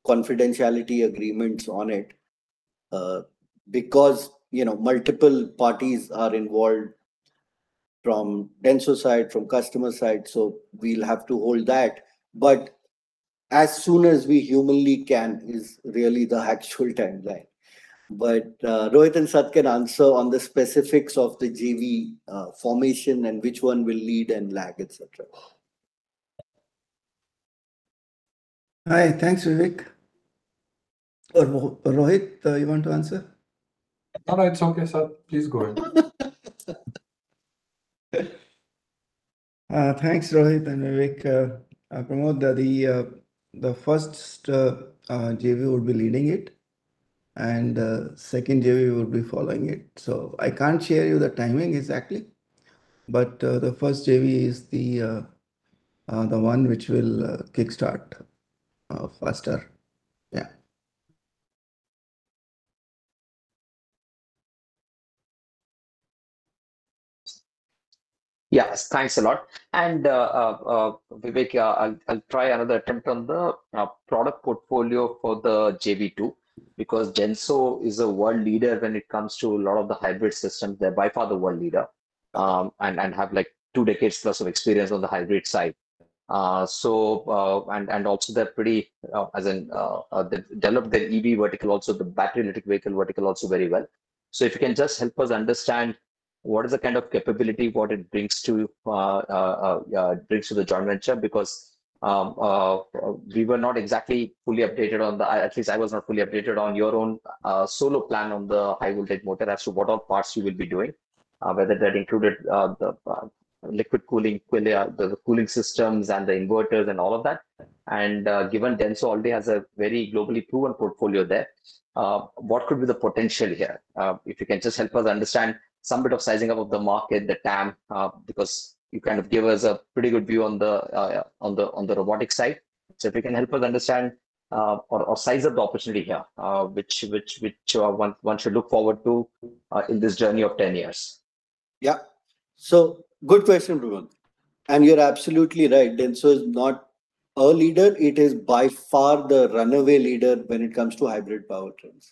confidentiality agreements on it because multiple parties are involved from DENSO's side, from customer's side, so we'll have to hold that. As soon as we humanly can is really the actual timeline. Rohit and Sat can answer on the specifics of the JV formation and which one will lead and lag, et cetera. Hi. Thanks, Vivek. Rohit, you want to answer? No, it's okay, Sat. Please go ahead. Thanks, Rohit and Vivek. Pramod, the first JV will be leading it, and the second JV will be following it. I can't share you the timing exactly. The first JV is the one which will kickstart faster. Yeah. Yes, thanks a lot. Vivek, I'll try another attempt on the product portfolio for the JV2 because DENSO is a world leader when it comes to a lot of the hybrid systems. They're by far the world leader and have two decades plus of experience on the hybrid side. Also they've developed their EV vertical also, the battery electric vehicle vertical also very well. If you can just help us understand what is the kind of capability, what it brings to the joint venture, because we were not exactly fully updated. At least I was not fully updated on your own solo plan on the high voltage motor as to what all parts you will be doing. Whether that included the liquid cooling, the cooling systems and the inverters and all of that. Given DENSO already has a very globally proven portfolio there, what could be the potential here? If you can just help us understand some bit of sizing up of the market, the TAM, because you kind of give us a pretty good view on the robotic side. If you can help us understand or size up the opportunity here, which one should look forward to in this journey of 10 years. Yeah. Good question, Pramod. You're absolutely right. DENSO is not a leader. It is by far the runaway leader when it comes to hybrid powertrains.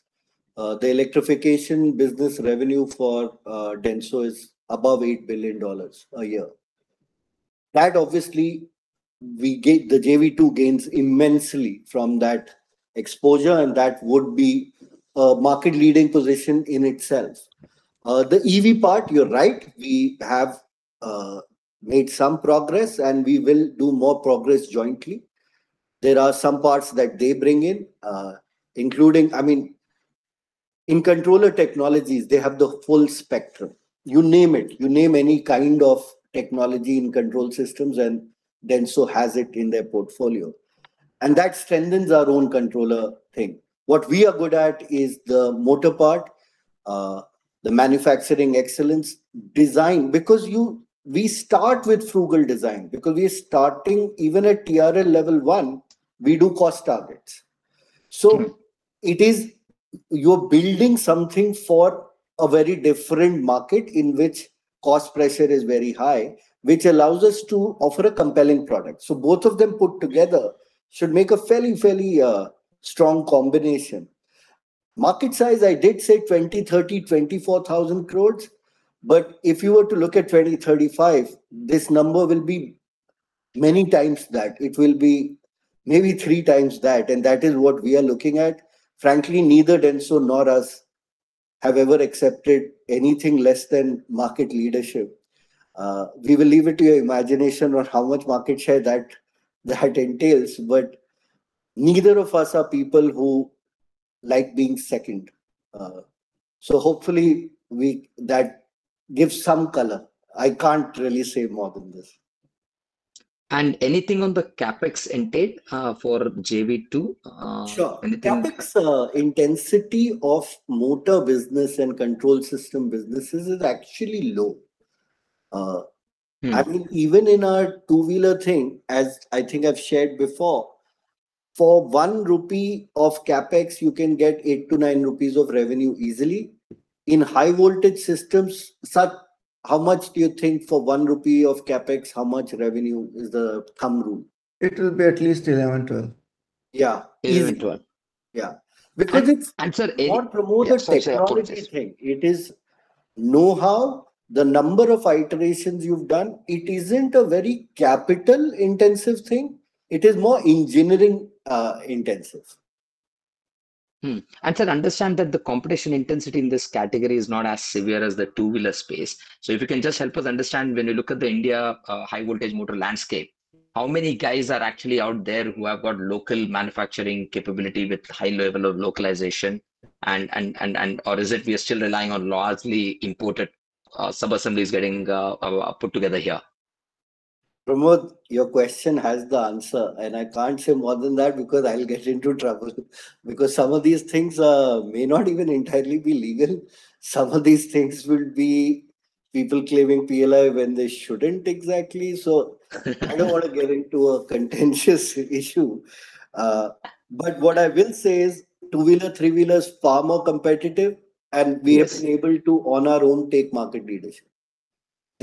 The electrification business revenue for DENSO is above $8 billion a year. That obviously, the JV2 gains immensely from that exposure, and that would be a market leading position in itself. The EV part, you're right. We have made some progress, and we will do more progress jointly. There are some parts that they bring in controller technologies, they have the full spectrum. You name it. You name any kind of technology in control systems, DENSO has it in their portfolio. That strengthens our own controller thing. What we are good at is the motor part, the manufacturing excellence design. We start with frugal design. We are starting even at TRL level 1, we do cost targets. You're building something for a very different market in which cost pressure is very high, which allows us to offer a compelling product. Both of them put together should make a fairly strong combination. Market size, I did say 20,000 crore, 30,000 crore, 24,000 crore. If you were to look at 2035, this number will be many times that. It will be maybe three times that is what we are looking at. Frankly, neither DENSO nor us have ever accepted anything less than market leadership. We will leave it to your imagination on how much market share that entails, but neither of us are people who like being second. Hopefully, that gives some color. I can't really say more than this. Anything on the CapEx intake for JV2? Sure. Anything? The CapEx intensity of Motor Business and control system businesses is actually low. Even in our two-wheeler thing, as I think I've shared before, for 1 crore rupee of CapEx, you can get 8 crore-9 crore rupees of revenue easily. In high voltage systems, Sat, how much do you think for 1 crore rupee of CapEx, how much revenue is the thumb rule? It will be at least 11, 12. Yeah. 11, 12. Yeah. Sir. More promoted technology thing. It is know-how, the number of iterations you've done. It isn't a very capital-intensive thing. It is more engineering intensive. Sir, understand that the competition intensity in this category is not as severe as the two-wheeler space. If you can just help us understand, when you look at the India high voltage motor landscape, how many guys are actually out there who have got local manufacturing capability with high level of localization, or is it we are still relying on largely imported sub-assemblies getting put together here? Pramod, your question has the answer. I can't say more than that because I'll get into trouble. Some of these things may not even entirely be legal. Some of these things will be People claiming PLI when they shouldn't exactly. I don't want to get into a contentious issue. What I will say is two-wheeler, three-wheeler is far more competitive. Yes. We have been able to, on our own, take market leadership.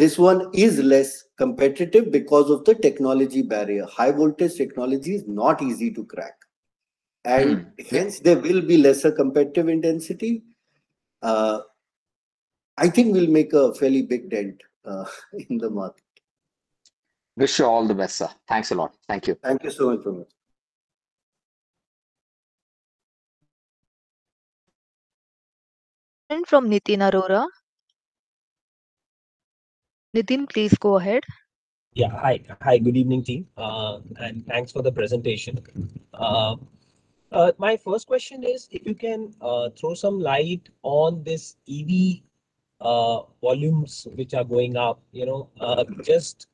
This one is less competitive because of the technology barrier. High voltage technology is not easy to crack. Yes. Hence, there will be lesser competitive intensity. I think we'll make a fairly big dent in the market. Wish you all the best, sir. Thanks a lot. Thank you. Thank you so much. From Nitin Arora. Nitin, please go ahead. Hi. Good evening team. Thanks for the presentation. My first question is if you can throw some light on this EV volumes which are going up, just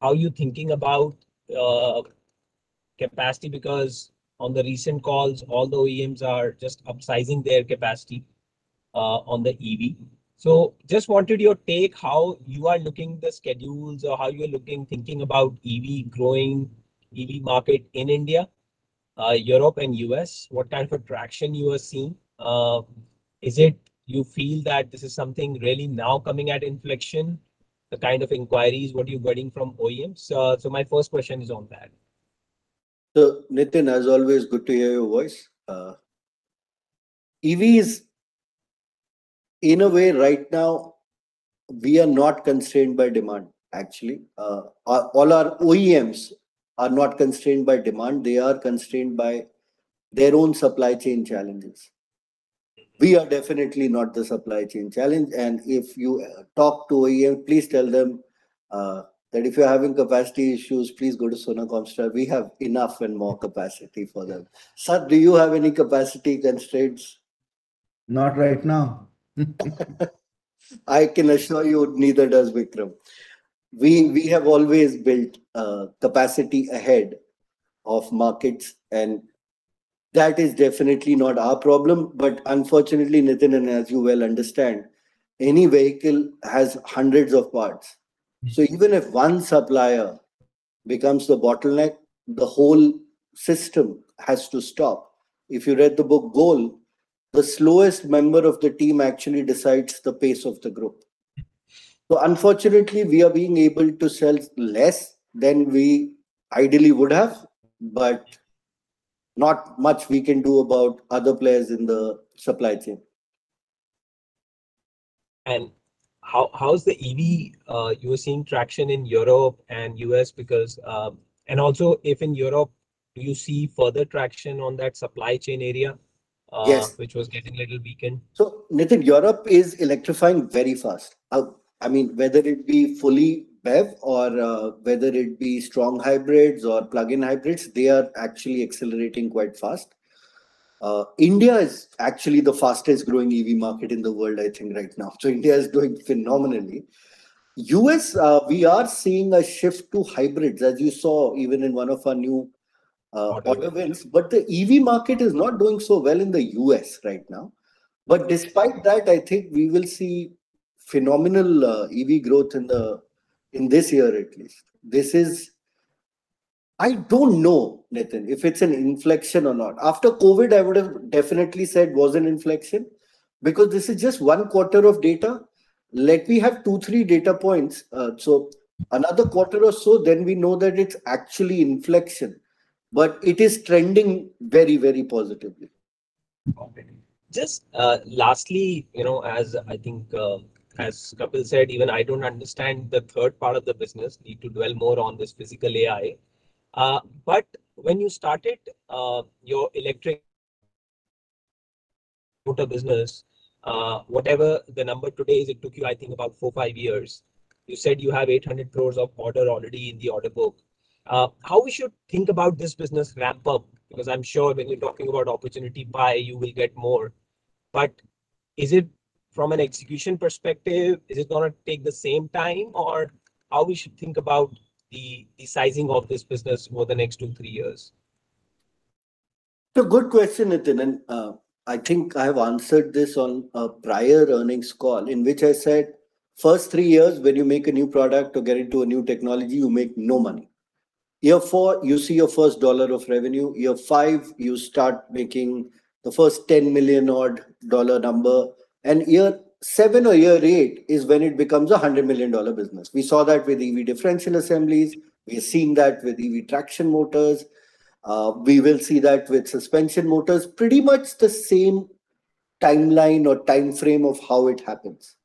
how you're thinking about capacity, because on the recent calls, all the OEMs are just upsizing their capacity on the EV. Just wanted your take, how you are looking the schedules or how you are looking, thinking about EV growing, EV market in India, Europe and U.S., what kind of traction you are seeing. Is it you feel that this is something really now coming at inflection, the kind of inquiries, what you're getting from OEMs? My first question is on that. Nitin, as always, good to hear your voice. EVs, in a way right now, we are not constrained by demand, actually. All our OEMs are not constrained by demand. They are constrained by their own supply chain challenges. We are definitely not the supply chain challenge. If you talk to OEM, please tell them that if you're having capacity issues, please go to Sona Comstar. We have enough and more capacity for them. Sir, do you have any capacity constraints? Not right now. I can assure you, neither does Vikram. We have always built capacity ahead of markets, and that is definitely not our problem. Unfortunately, Nitin, and as you well understand, any vehicle has hundreds of parts. Even if one supplier becomes the bottleneck, the whole system has to stop. If you read the book "The Goal," the slowest member of the team actually decides the pace of the group. Unfortunately, we are being able to sell less than we ideally would have, but not much we can do about other players in the supply chain. How's the EV, you were seeing traction in Europe and U.S. because also if in Europe you see further traction on that supply chain area- Yes. Which was getting little weakened. Nitin, Europe is electrifying very fast. I mean, whether it be fully BEV or whether it be strong hybrids or plug-in hybrids, they are actually accelerating quite fast. India is actually the fastest growing EV market in the world, I think right now. India is doing phenomenally. U.S., we are seeing a shift to hybrids as you saw even in one of our new order wins. The EV market is not doing so well in the U.S. right now. Despite that, I think we will see phenomenal EV growth in this year at least. I don't know, Nitin, if it's an inflection or not. After COVID, I would've definitely said was an inflection because this is just one quarter of data. Let me have two, three data points, so another quarter or so, then we know that it's actually inflection. It is trending very positively. Copy. Lastly, as I think as Kapil said, even I don't understand the third part of the business, need to dwell more on this physical AI. When you started your electric motor business, whatever the number today is, it took you, I think about four or five years. You said you have 800 crores of order already in the order book. How we should think about this business ramp up? I'm sure when we're talking about opportunity buy, you will get more. Is it from an execution perspective, is it going to take the same time or how we should think about the sizing of this business over the next two, three years? It's a good question, Nitin, I think I've answered this on a prior earnings call in which I said, first three years when you make a new product or get into a new technology, you make no money. Year four, you see your first dollar of revenue. Year five, you start making the first $10 million odd dollar number, year seven or year eight is when it becomes a $100 million business. We saw that with EV differential assemblies. We are seeing that with EV traction motors. We will see that with suspension motors. Pretty much the same timeline or timeframe of how it happens.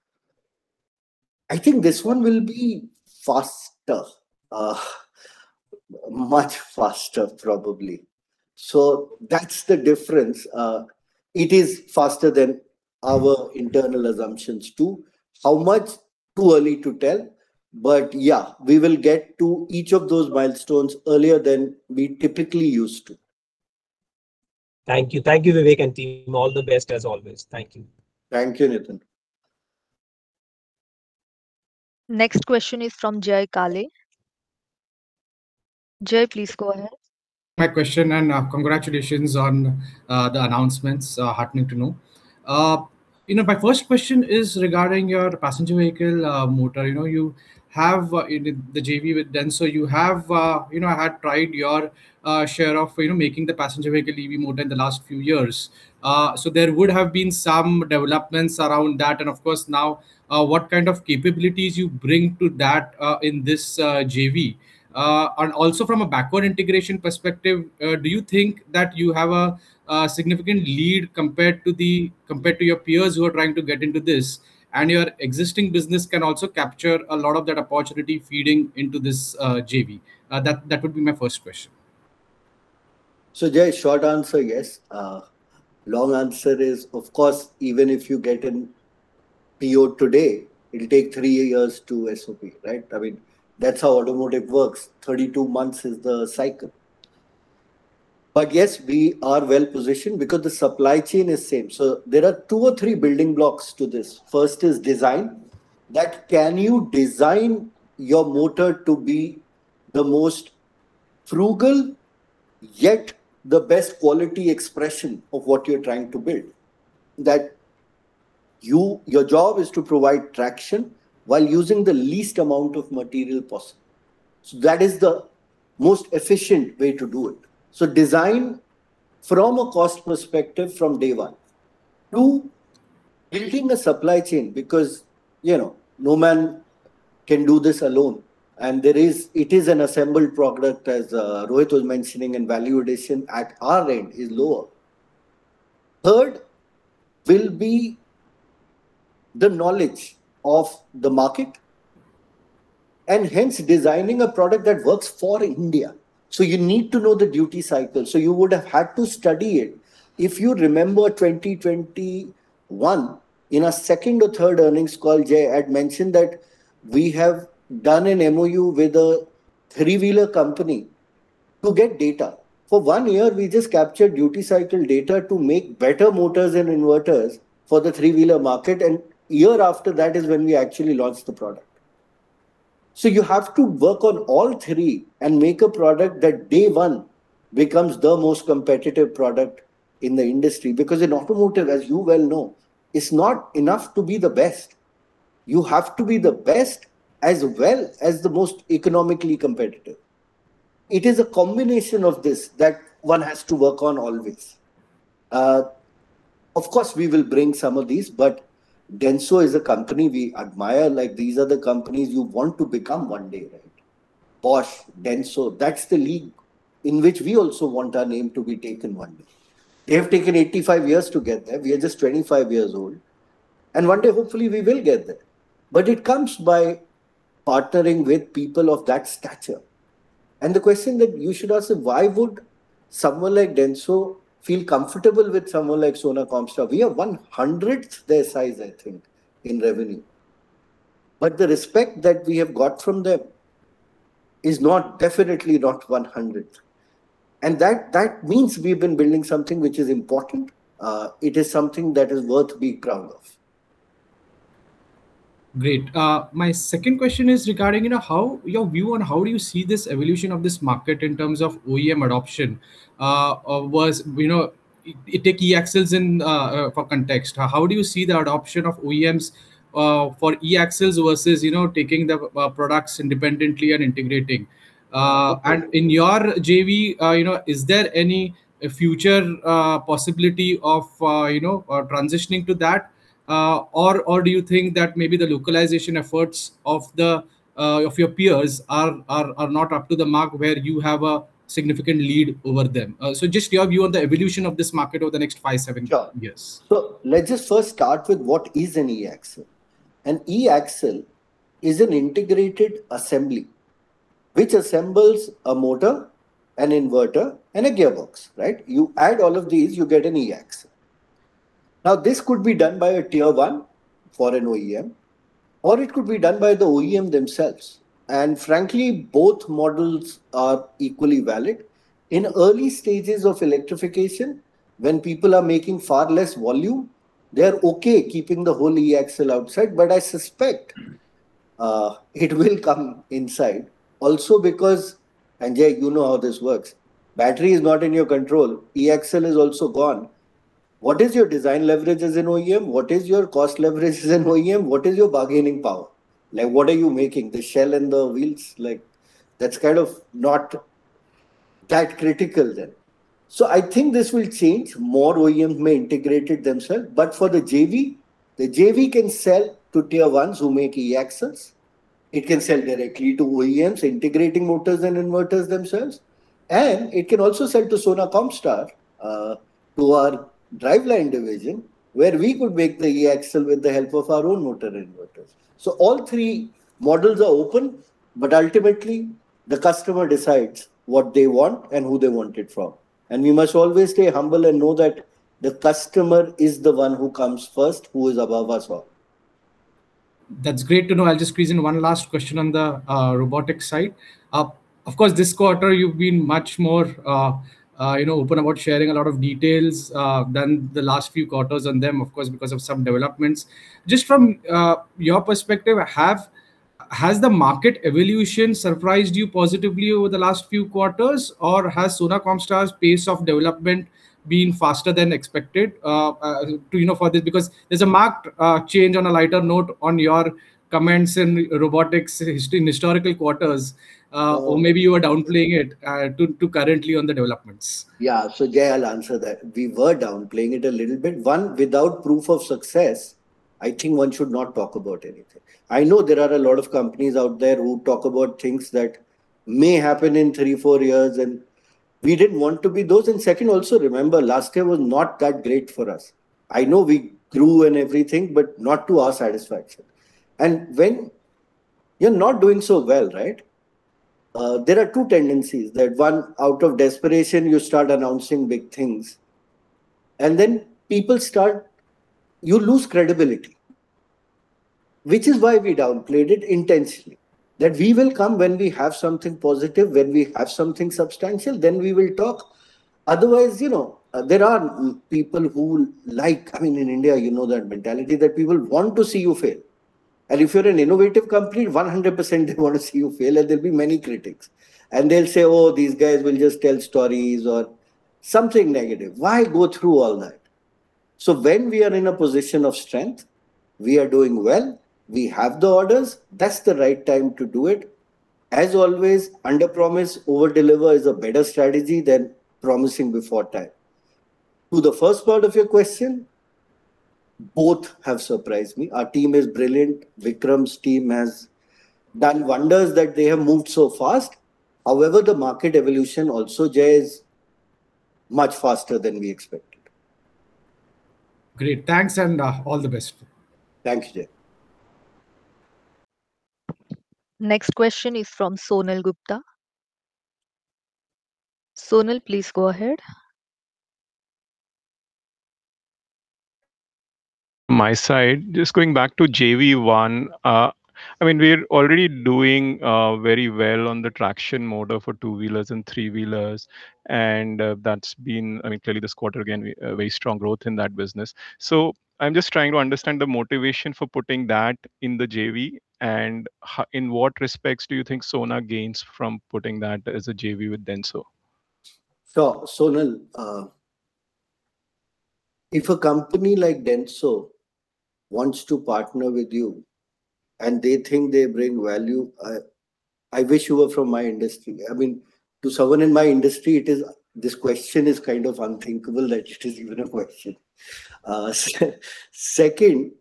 I think this one will be faster. Much faster, probably. That's the difference. It is faster than our internal assumptions too. How much? Too early to tell, yeah, we will get to each of those milestones earlier than we typically used to. Thank you. Thank you, Vivek and team. All the best as always. Thank you. Thank you, Nitin. Next question is from Jay Kale. Jay, please go ahead. My question, congratulations on the announcements. Heartening to know. My first question is regarding your passenger vehicle motor. You have the JV with DENSO. You have had tried your share of making the passenger vehicle EV motor in the last few years. There would have been some developments around that, and of course, now, what kind of capabilities you bring to that in this JV. Also from a backward integration perspective, do you think that you have a significant lead compared to your peers who are trying to get into this, and your existing business can also capture a lot of that opportunity feeding into this JV? That would be my first question. Jay, short answer, yes. Long answer is, of course, even if you get a PO today, it will take three years to SOP, right? That is how automotive works. 32 months is the cycle. Yes, we are well-positioned because the supply chain is same. There are two or three building blocks to this. First is design. That can you design your motor to be the most frugal, yet the best quality expression of what you are trying to build? That your job is to provide traction while using the least amount of material possible. That is the most efficient way to do it. Design from a cost perspective from day one. Two, building a supply chain, because no man can do this alone. It is an assembled product, as Rohit was mentioning, and value addition at our end is lower. Third will be the knowledge of the market, hence designing a product that works for India. You need to know the duty cycle. You would have had to study it. If you remember 2021, in our second or third earnings call, Jay, I'd mentioned that we have done an MOU with a three-wheeler company to get data. For one year, we just captured duty cycle data to make better motors and inverters for the three-wheeler market, year after that is when we actually launched the product. You have to work on all three and make a product that day one becomes the most competitive product in the industry, because in automotive, as you well know, it's not enough to be the best. You have to be the best as well as the most economically competitive. It is a combination of this that one has to work on always. Of course, we will bring some of these, DENSO is a company we admire. These are the companies you want to become one day. Bosch, DENSO, that's the league in which we also want our name to be taken one day. They have taken 85 years to get there. We are just 25 years old, one day, hopefully, we will get there. It comes by partnering with people of that stature. The question that you should ask is why would someone like DENSO feel comfortable with someone like Sona Comstar? We are 100th their size, I think, in revenue. The respect that we have got from them is definitely not 100th. That means we've been building something which is important. It is something that is worth being proud of. Great. My second question is regarding your view on how do you see this evolution of this market in terms of OEM adoption? Take e-Axles for context. How do you see the adoption of OEMs for e-Axles versus taking the products independently and integrating? In your JV, is there any future possibility of transitioning to that? Or do you think that maybe the localization efforts of your peers are not up to the mark where you have a significant lead over them? Just your view on the evolution of this market over the next five, seven years. Sure. Let's just first start with what is an e-Axle. An e-Axle is an integrated assembly which assembles a motor, an inverter, and a gearbox. You add all of these, you get an e-Axle. Now, this could be done by a tier 1 for an OEM, or it could be done by the OEM themselves. Frankly, both models are equally valid. In early stages of electrification, when people are making far less volume, they're okay keeping the whole e-Axle outside, I suspect it will come inside also because, Jay, you know how this works. Battery is not in your control. E-axle is also gone. What is your design leverages in OEM? What is your cost leverages in OEM? What is your bargaining power? What are you making? The shell and the wheels? That's kind of not that critical then. I think this will change. More OEMs may integrate it themselves. For the JV, the JV can sell to tier ones who make e-Axles. It can sell directly to OEMs, integrating motors and inverters themselves. It can also sell to Sona Comstar, to our driveline division, where we could make the e-Axle with the help of our own motor inverters. All three models are open, but ultimately, the customer decides what they want and who they want it from. We must always stay humble and know that the customer is the one who comes first, who is above us all. That's great to know. I'll just squeeze in one last question on the robotics side. Of course, this quarter you've been much more open about sharing a lot of details than the last few quarters on them, of course, because of some developments. Just from your perspective, has the market evolution surprised you positively over the last few quarters, or has Sona Comstar's pace of development been faster than expected for this? Because there's a marked change, on a lighter note, on your comments in robotics in historical quarters. Or maybe you were downplaying it to currently on the developments. Yeah. Jay, I'll answer that. We were downplaying it a little bit. One, without proof of success, I think one should not talk about anything. I know there are a lot of companies out there who talk about things that may happen in three, four years, and we didn't want to be those. Second, also remember, last year was not that great for us. I know we grew and everything, but not to our satisfaction. When you're not doing so well, there are two tendencies. There is one, out of desperation, you start announcing big things. Then you lose credibility, which is why we downplayed it intensely. We will come when we have something positive, when we have something substantial, then we will talk. Otherwise, there are people who like, in India, you know that mentality, that people want to see you fail. If you're an innovative company, 100% they want to see you fail, and there'll be many critics. They'll say, "Oh, these guys will just tell stories" or something negative. Why go through all that? When we are in a position of strength, we are doing well, we have the orders, that's the right time to do it. As always, underpromise, overdeliver is a better strategy than promising before time. To the first part of your question, both have surprised me. Our team is brilliant. Vikram's team has done wonders that they have moved so fast. However, the market evolution also, Jay, is much faster than we expected. Great. Thanks and all the best. Thank you, Jay. Next question is from Sonal Gupta. Sonal, please go ahead. My side, just going back to JV1. We're already doing very well on the traction motor for two-wheelers and three-wheelers, and that's been, clearly this quarter again, very strong growth in that business. I'm just trying to understand the motivation for putting that in the JV, and in what respects do you think Sona gains from putting that as a JV with DENSO? Sure, Sonal. If a company like DENSO wants to partner with you and they think they bring value, I wish you were from my industry. To someone in my industry, this question is kind of unthinkable that it is even a question. Second,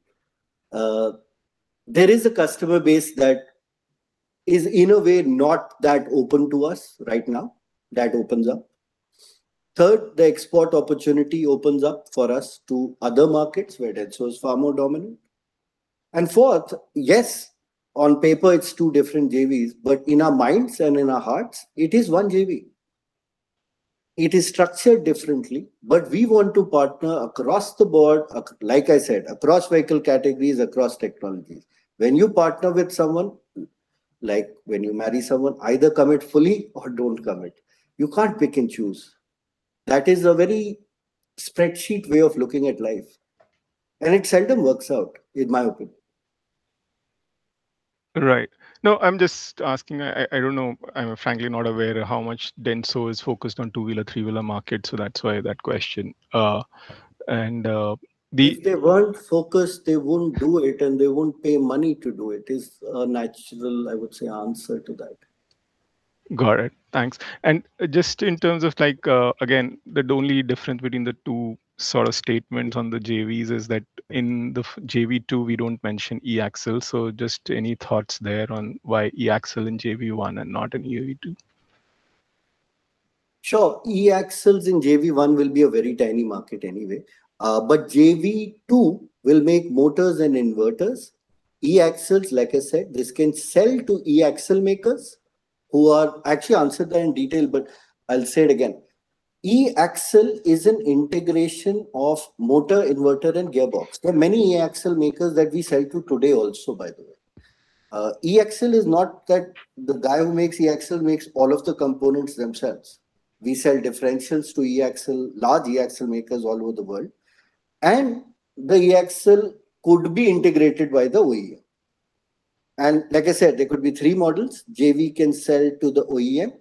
there is a customer base that is, in a way, not that open to us right now. That opens up. Third, the export opportunity opens up for us to other markets where DENSO is far more dominant. Fourth, yes, on paper it's two different JVs, but in our minds and in our hearts, it is one JV. It is structured differently, but we want to partner across the board, like I said, across vehicle categories, across technologies. When you partner with someone, like when you marry someone, either commit fully or don't commit. You can't pick and choose. That is a very spreadsheet way of looking at life, and it seldom works out, in my opinion. Right. No, I'm just asking, I don't know, I'm frankly not aware how much DENSO is focused on two-wheeler, three-wheeler market, that's why that question. If they weren't focused, they wouldn't do it and they wouldn't pay money to do it, is a natural, I would say, answer to that. Got it. Thanks. Just in terms of, again, the only difference between the two statements on the JVs is that in the JV2, we don't mention e-Axle. Just any thoughts there on why e-Axle in JV1 and not in JV2? Sure. e-Axles in JV1 will be a very tiny market anyway. JV2 will make motors and inverters. e-Axles, like I said, this can sell to e-Axle makers. Actually, I answered that in detail, but I'll say it again. e-Axle is an integration of motor inverter and gearbox. There are many e-Axle makers that we sell to today also, by the way. e-Axle is not that the guy who makes e-Axle makes all of the components themselves. We sell differentials to large e-Axle makers all over the world. The e-Axle could be integrated by the OEM. Like I said, there could be three models. JV can sell to the OEM,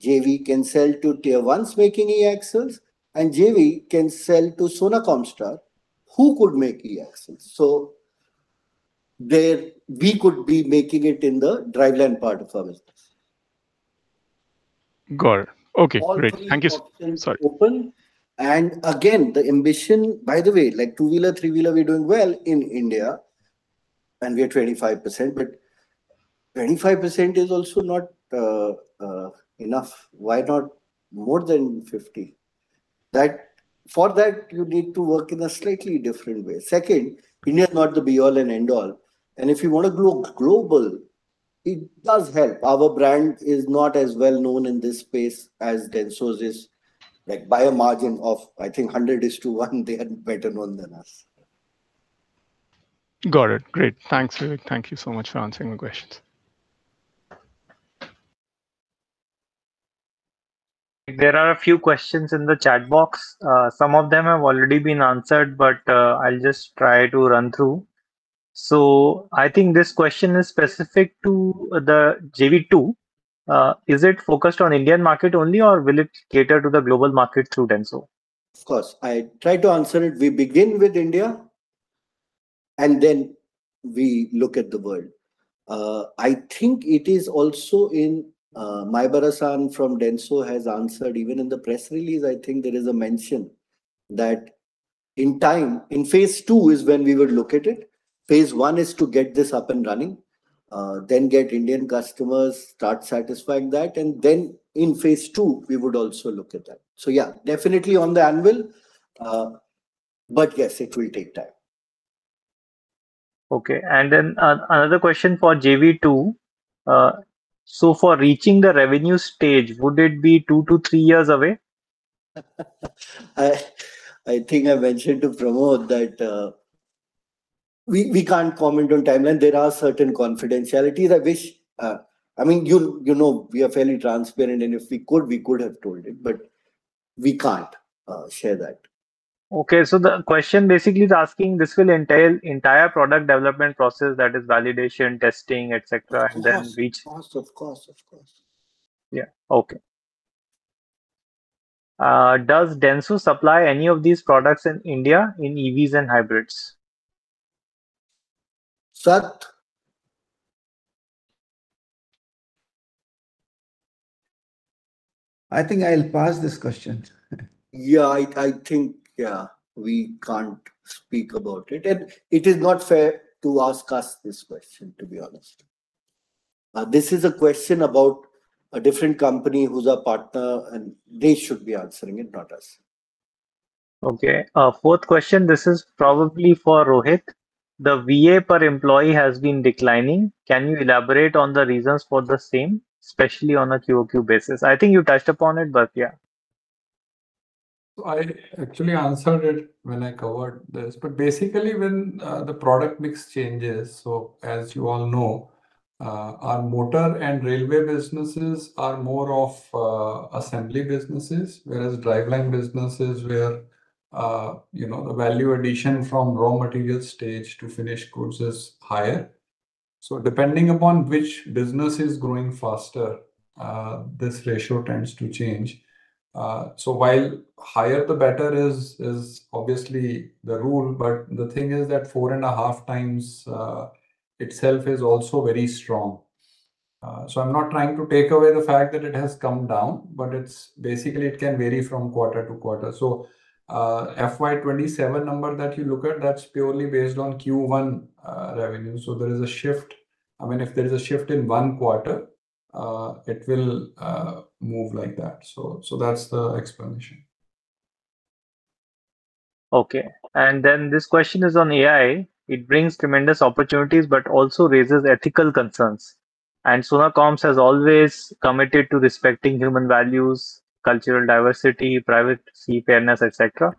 JV can sell to tier ones making e-Axles, and JV can sell to Sona Comstar, who could make e-Axles. There, we could be making it in the driveline part of our business. Got it. Okay, great. Thank you. All three options. Sorry. Open. Again, the ambition, by the way, like two-wheeler, three-wheeler, we're doing well in India, and we are 25%, but 25% is also not enough. Why not more than 50? For that, you need to work in a slightly different way. Second, India is not the be-all and end-all. If you want to go global, it does help. Our brand is not as well-known in this space as DENSO's is. By a margin of, I think 100 is to one, they are better known than us. Got it. Great. Thanks, Vivek. Thank you so much for answering my questions. There are a few questions in the chat box. Some of them have already been answered, but I'll just try to run through. I think this question is specific to the JV2. Is it focused on Indian market only, or will it cater to the global market through DENSO? Of course. I try to answer it. We begin with India, and then we look at the world. I think it is also in, Maebara-san from DENSO has answered, even in the press release, I think there is a mention that in time, in phase II is when we will look at it. Phase I is to get this up and running, then get Indian customers, start satisfying that, and then in phase II, we would also look at that. Yeah, definitely on the anvil, but yes, it will take time. Okay. Another question for JV2. For reaching the revenue stage, would it be two to three years away? I think I mentioned to Pramod that we can't comment on timeline. There are certain confidentialities. You know we are fairly transparent, and if we could, we could have told it, but we can't share that. Okay, the question basically is asking this will entail entire product development process that is validation, testing, et cetera. Of course. Yeah. Okay. Does DENSO supply any of these products in India in EVs and hybrids? Sat? I think I'll pass this question. Yeah, I think we can't speak about it. It is not fair to ask us this question, to be honest. This is a question about a different company who's a partner, and they should be answering it, not us. Okay. Fourth question. This is probably for Rohit. The VA per employee has been declining. Can you elaborate on the reasons for the same, especially on a QoQ basis? I think you touched upon it, but yeah. I actually answered it when I covered this. Basically when the product mix changes, as you all know, our Motor and Railway businesses are more of assembly businesses, whereas Driveline businesses where the value addition from raw material stage to finished goods is higher. Depending upon which business is growing faster, this ratio tends to change. While higher, the better is obviously the rule, but the thing is that four and a half times itself is also very strong. I'm not trying to take away the fact that it has come down, but basically it can vary from quarter to quarter. FY 2027 number that you look at, that's purely based on Q1 revenue. There is a shift. If there is a shift in one quarter, it will move like that. That's the explanation. Okay. Then this question is on AI. It brings tremendous opportunities, but also raises ethical concerns. Sona Comstar has always committed to respecting human values, cultural diversity, privacy, fairness, et cetera,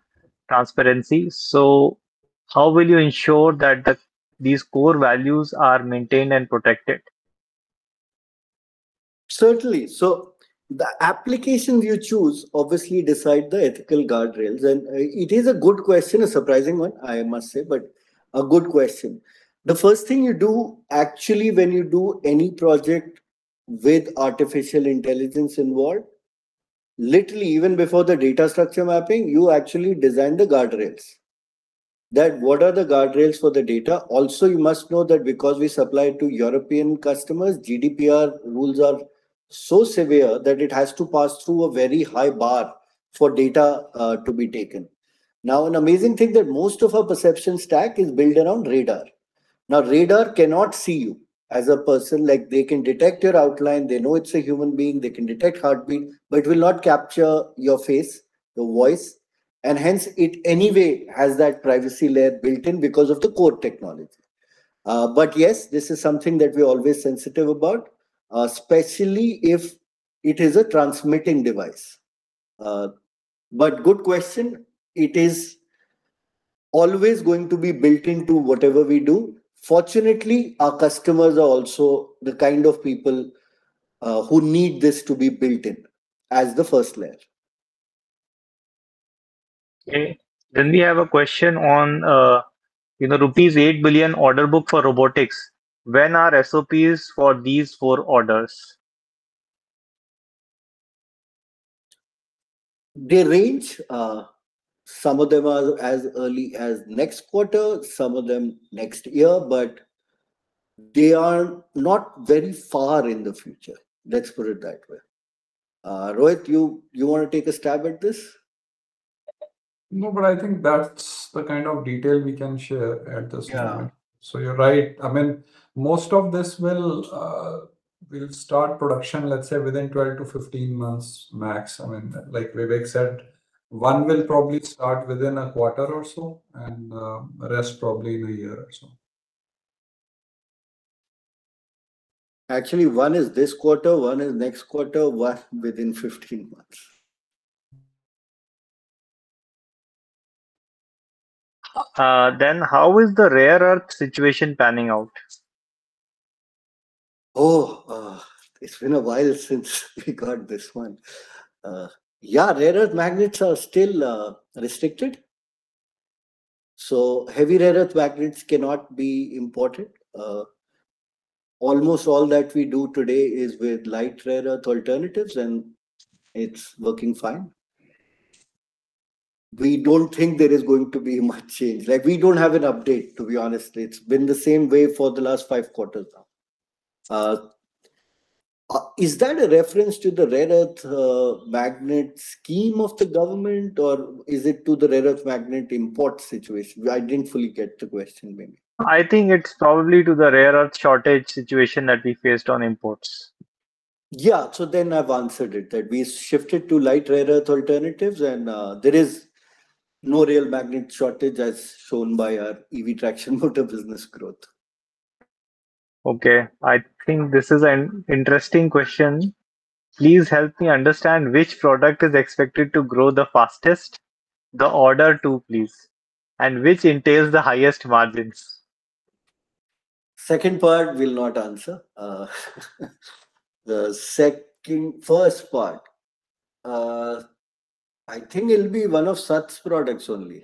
transparency. How will you ensure that these core values are maintained and protected? Certainly. The applications you choose obviously decide the ethical guardrails. It is a good question, a surprising one, I must say, but a good question. The first thing you do, actually, when you do any project with artificial intelligence involved, literally even before the data structure mapping, you actually design the guardrails. That what are the guardrails for the data. Also, you must know that because we supply to European customers, GDPR rules are so severe that it has to pass through a very high bar for data to be taken. An amazing thing that most of our perception stack is built around radar. Radar cannot see you as a person. They can detect your outline. They know it's a human being. They can detect heartbeat, it will not capture your face, your voice, and hence it anyway has that privacy layer built in because of the core technology. Yes, this is something that we're always sensitive about, especially if it is a transmitting device. Good question. It is always going to be built into whatever we do. Fortunately, our customers are also the kind of people who need this to be built in as the first layer. Okay. We have a question on rupees 8 billion order book for robotics. When are SOPs for these four orders? They range. Some of them are as early as next quarter, some of them next year, they are not very far in the future, let's put it that way. Rohit, you want to take a stab at this? No, I think that's the kind of detail we can share at this point. Yeah. You're right. Most of this will start production, let's say within 12 to 15 months max. Like Vivek said, one will probably start within a quarter or so, and rest probably in a year or so. Actually, one is this quarter, one is next quarter, one within 15 months. How is the rare earth situation panning out? It's been a while since we got this one. Yeah, rare earth magnets are still restricted. Heavy rare earth magnets cannot be imported. Almost all that we do today is with light rare earth alternatives, and it's working fine. We don't think there is going to be much change. We don't have an update, to be honest. It's been the same way for the last five quarters now. Is that a reference to the rare earth magnet scheme of the government, or is it to the rare earth magnet import situation? I didn't fully get the question maybe. I think it's probably to the rare earth shortage situation that we faced on imports. Yeah. I've answered it, that we shifted to light rare earth alternatives and there is no real magnet shortage as shown by our EV traction motor business growth. Okay. I think this is an interesting question. Please help me understand which product is expected to grow the fastest, the order too, please, and which entails the highest margins. Second part, will not answer. The first part, I think it'll be one of Sat's products only.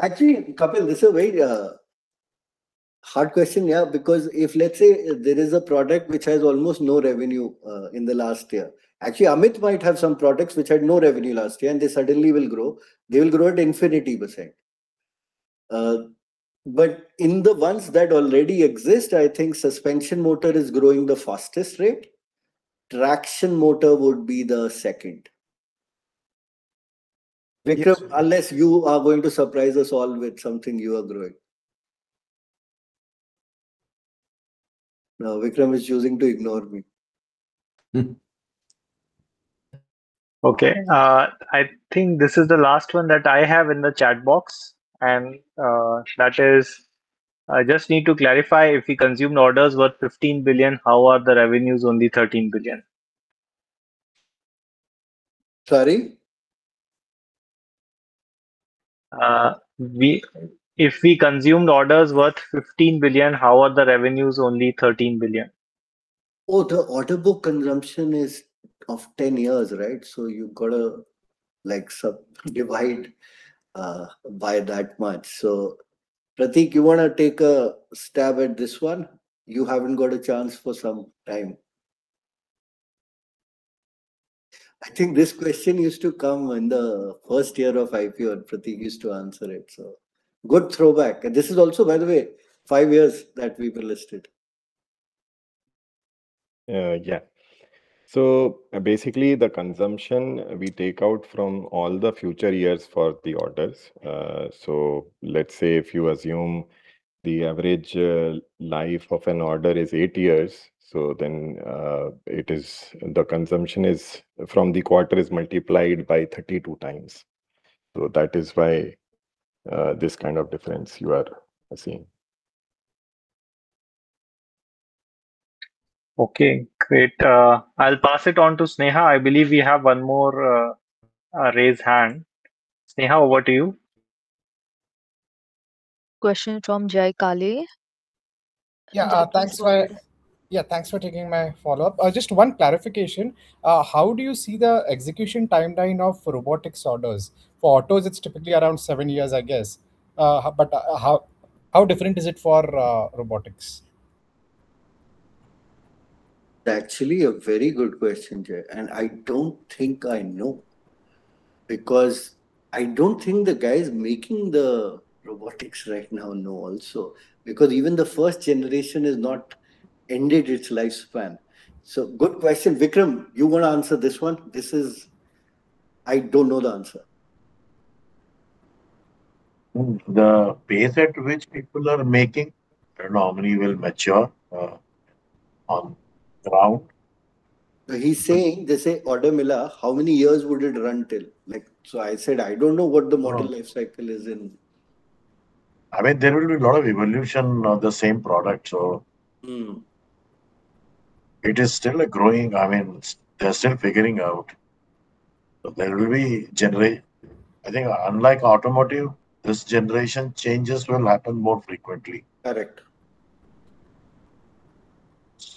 Actually, Kapil, this is a very hard question. Yeah, because if, let's say, there is a product which has almost no revenue in the last year. Actually, Amit might have some products which had no revenue last year, and they suddenly will grow. They will grow at infinity percent. In the ones that already exist, I think suspension motor is growing the fastest rate. Traction motor would be the second. Vikram, unless you are going to surprise us all with something you are growing. No, Vikram is choosing to ignore me. Okay. I think this is the last one that I have in the chat box, that is, I just need to clarify, if we consumed orders worth 15 billion, how are the revenues only 13 billion? Sorry? If we consumed orders worth 15 billion, how are the revenues only 13 billion? Oh, the order book consumption is of 10 years, right? You got to divide by that much. Pratik, you want to take a stab at this one? You haven't got a chance for some time. I think this question used to come in the first year of IPO, and Pratik used to answer it. Good throwback. This is also, by the way, five years that we've been listed. Yeah. Basically, the consumption we take out from all the future years for the orders. Let's say if you assume the average life of an order is eight years, then the consumption from the quarter is multiplied by 32 times. That is why this kind of difference you are seeing. Okay, great. I'll pass it on to Sneha. I believe we have one more raised hand. Sneha, over to you. Question from Jay Kale. Thanks for taking my follow-up. Just one clarification. How do you see the execution timeline of robotics orders? For autos, it's typically around seven years, I guess. How different is it for robotics? Actually, a very good question, Jay, and I don't think I know, because I don't think the guys making the robotics right now know also, because even the first generation is not ended its lifespan. Good question. Vikram, you want to answer this one? This is I don't know the answer. The pace at which people are making, I don't know how many will mature on ground. He's saying, they say, order, how many years would it run till? I said, I don't know what the model life cycle is in. There will be a lot of evolution of the same product. It is still a growing. They're still figuring out. There will be generation. I think unlike automotive, this generation, changes will happen more frequently. Correct.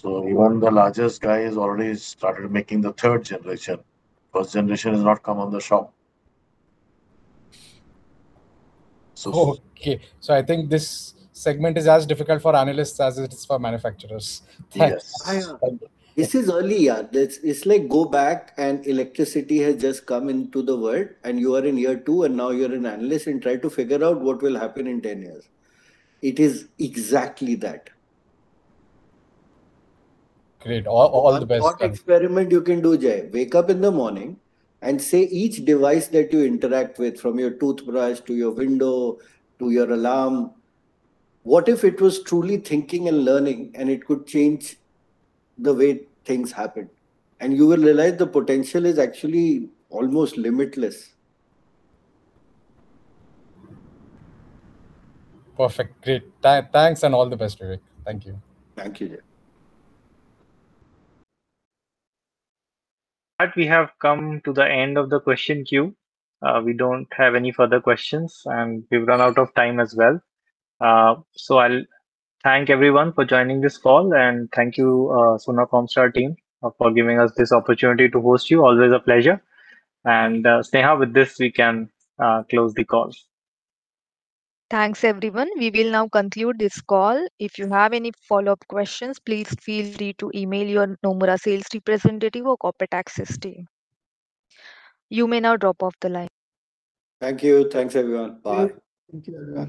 Even the largest guy has already started making the third generation. First generation has not come on the shop. I think this segment is as difficult for analysts as it is for manufacturers. Yes. This is early. It's like go back and electricity has just come into the world, and you are in year two, and now you're an analyst and try to figure out what will happen in 10 years. It is exactly that. Great. All the best. One experiment you can do, Jay. Wake up in the morning and say each device that you interact with, from your toothbrush to your window to your alarm. What if it was truly thinking and learning, and it could change the way things happened? You will realize the potential is actually almost limitless. Perfect. Great. Thanks and all the best, Vivek. Thank you. Thank you, Jay. We have come to the end of the question queue. We don't have any further questions, and we've run out of time as well. I'll thank everyone for joining this call. Thank you, Sona Comstar team for giving us this opportunity to host you. Always a pleasure. Sneha, with this, we can close the call. Thanks, everyone. We will now conclude this call. If you have any follow-up questions, please feel free to email your Nomura sales representative or corporate access team. You may now drop off the line. Thank you. Thanks, everyone. Bye. Thank you, everyone.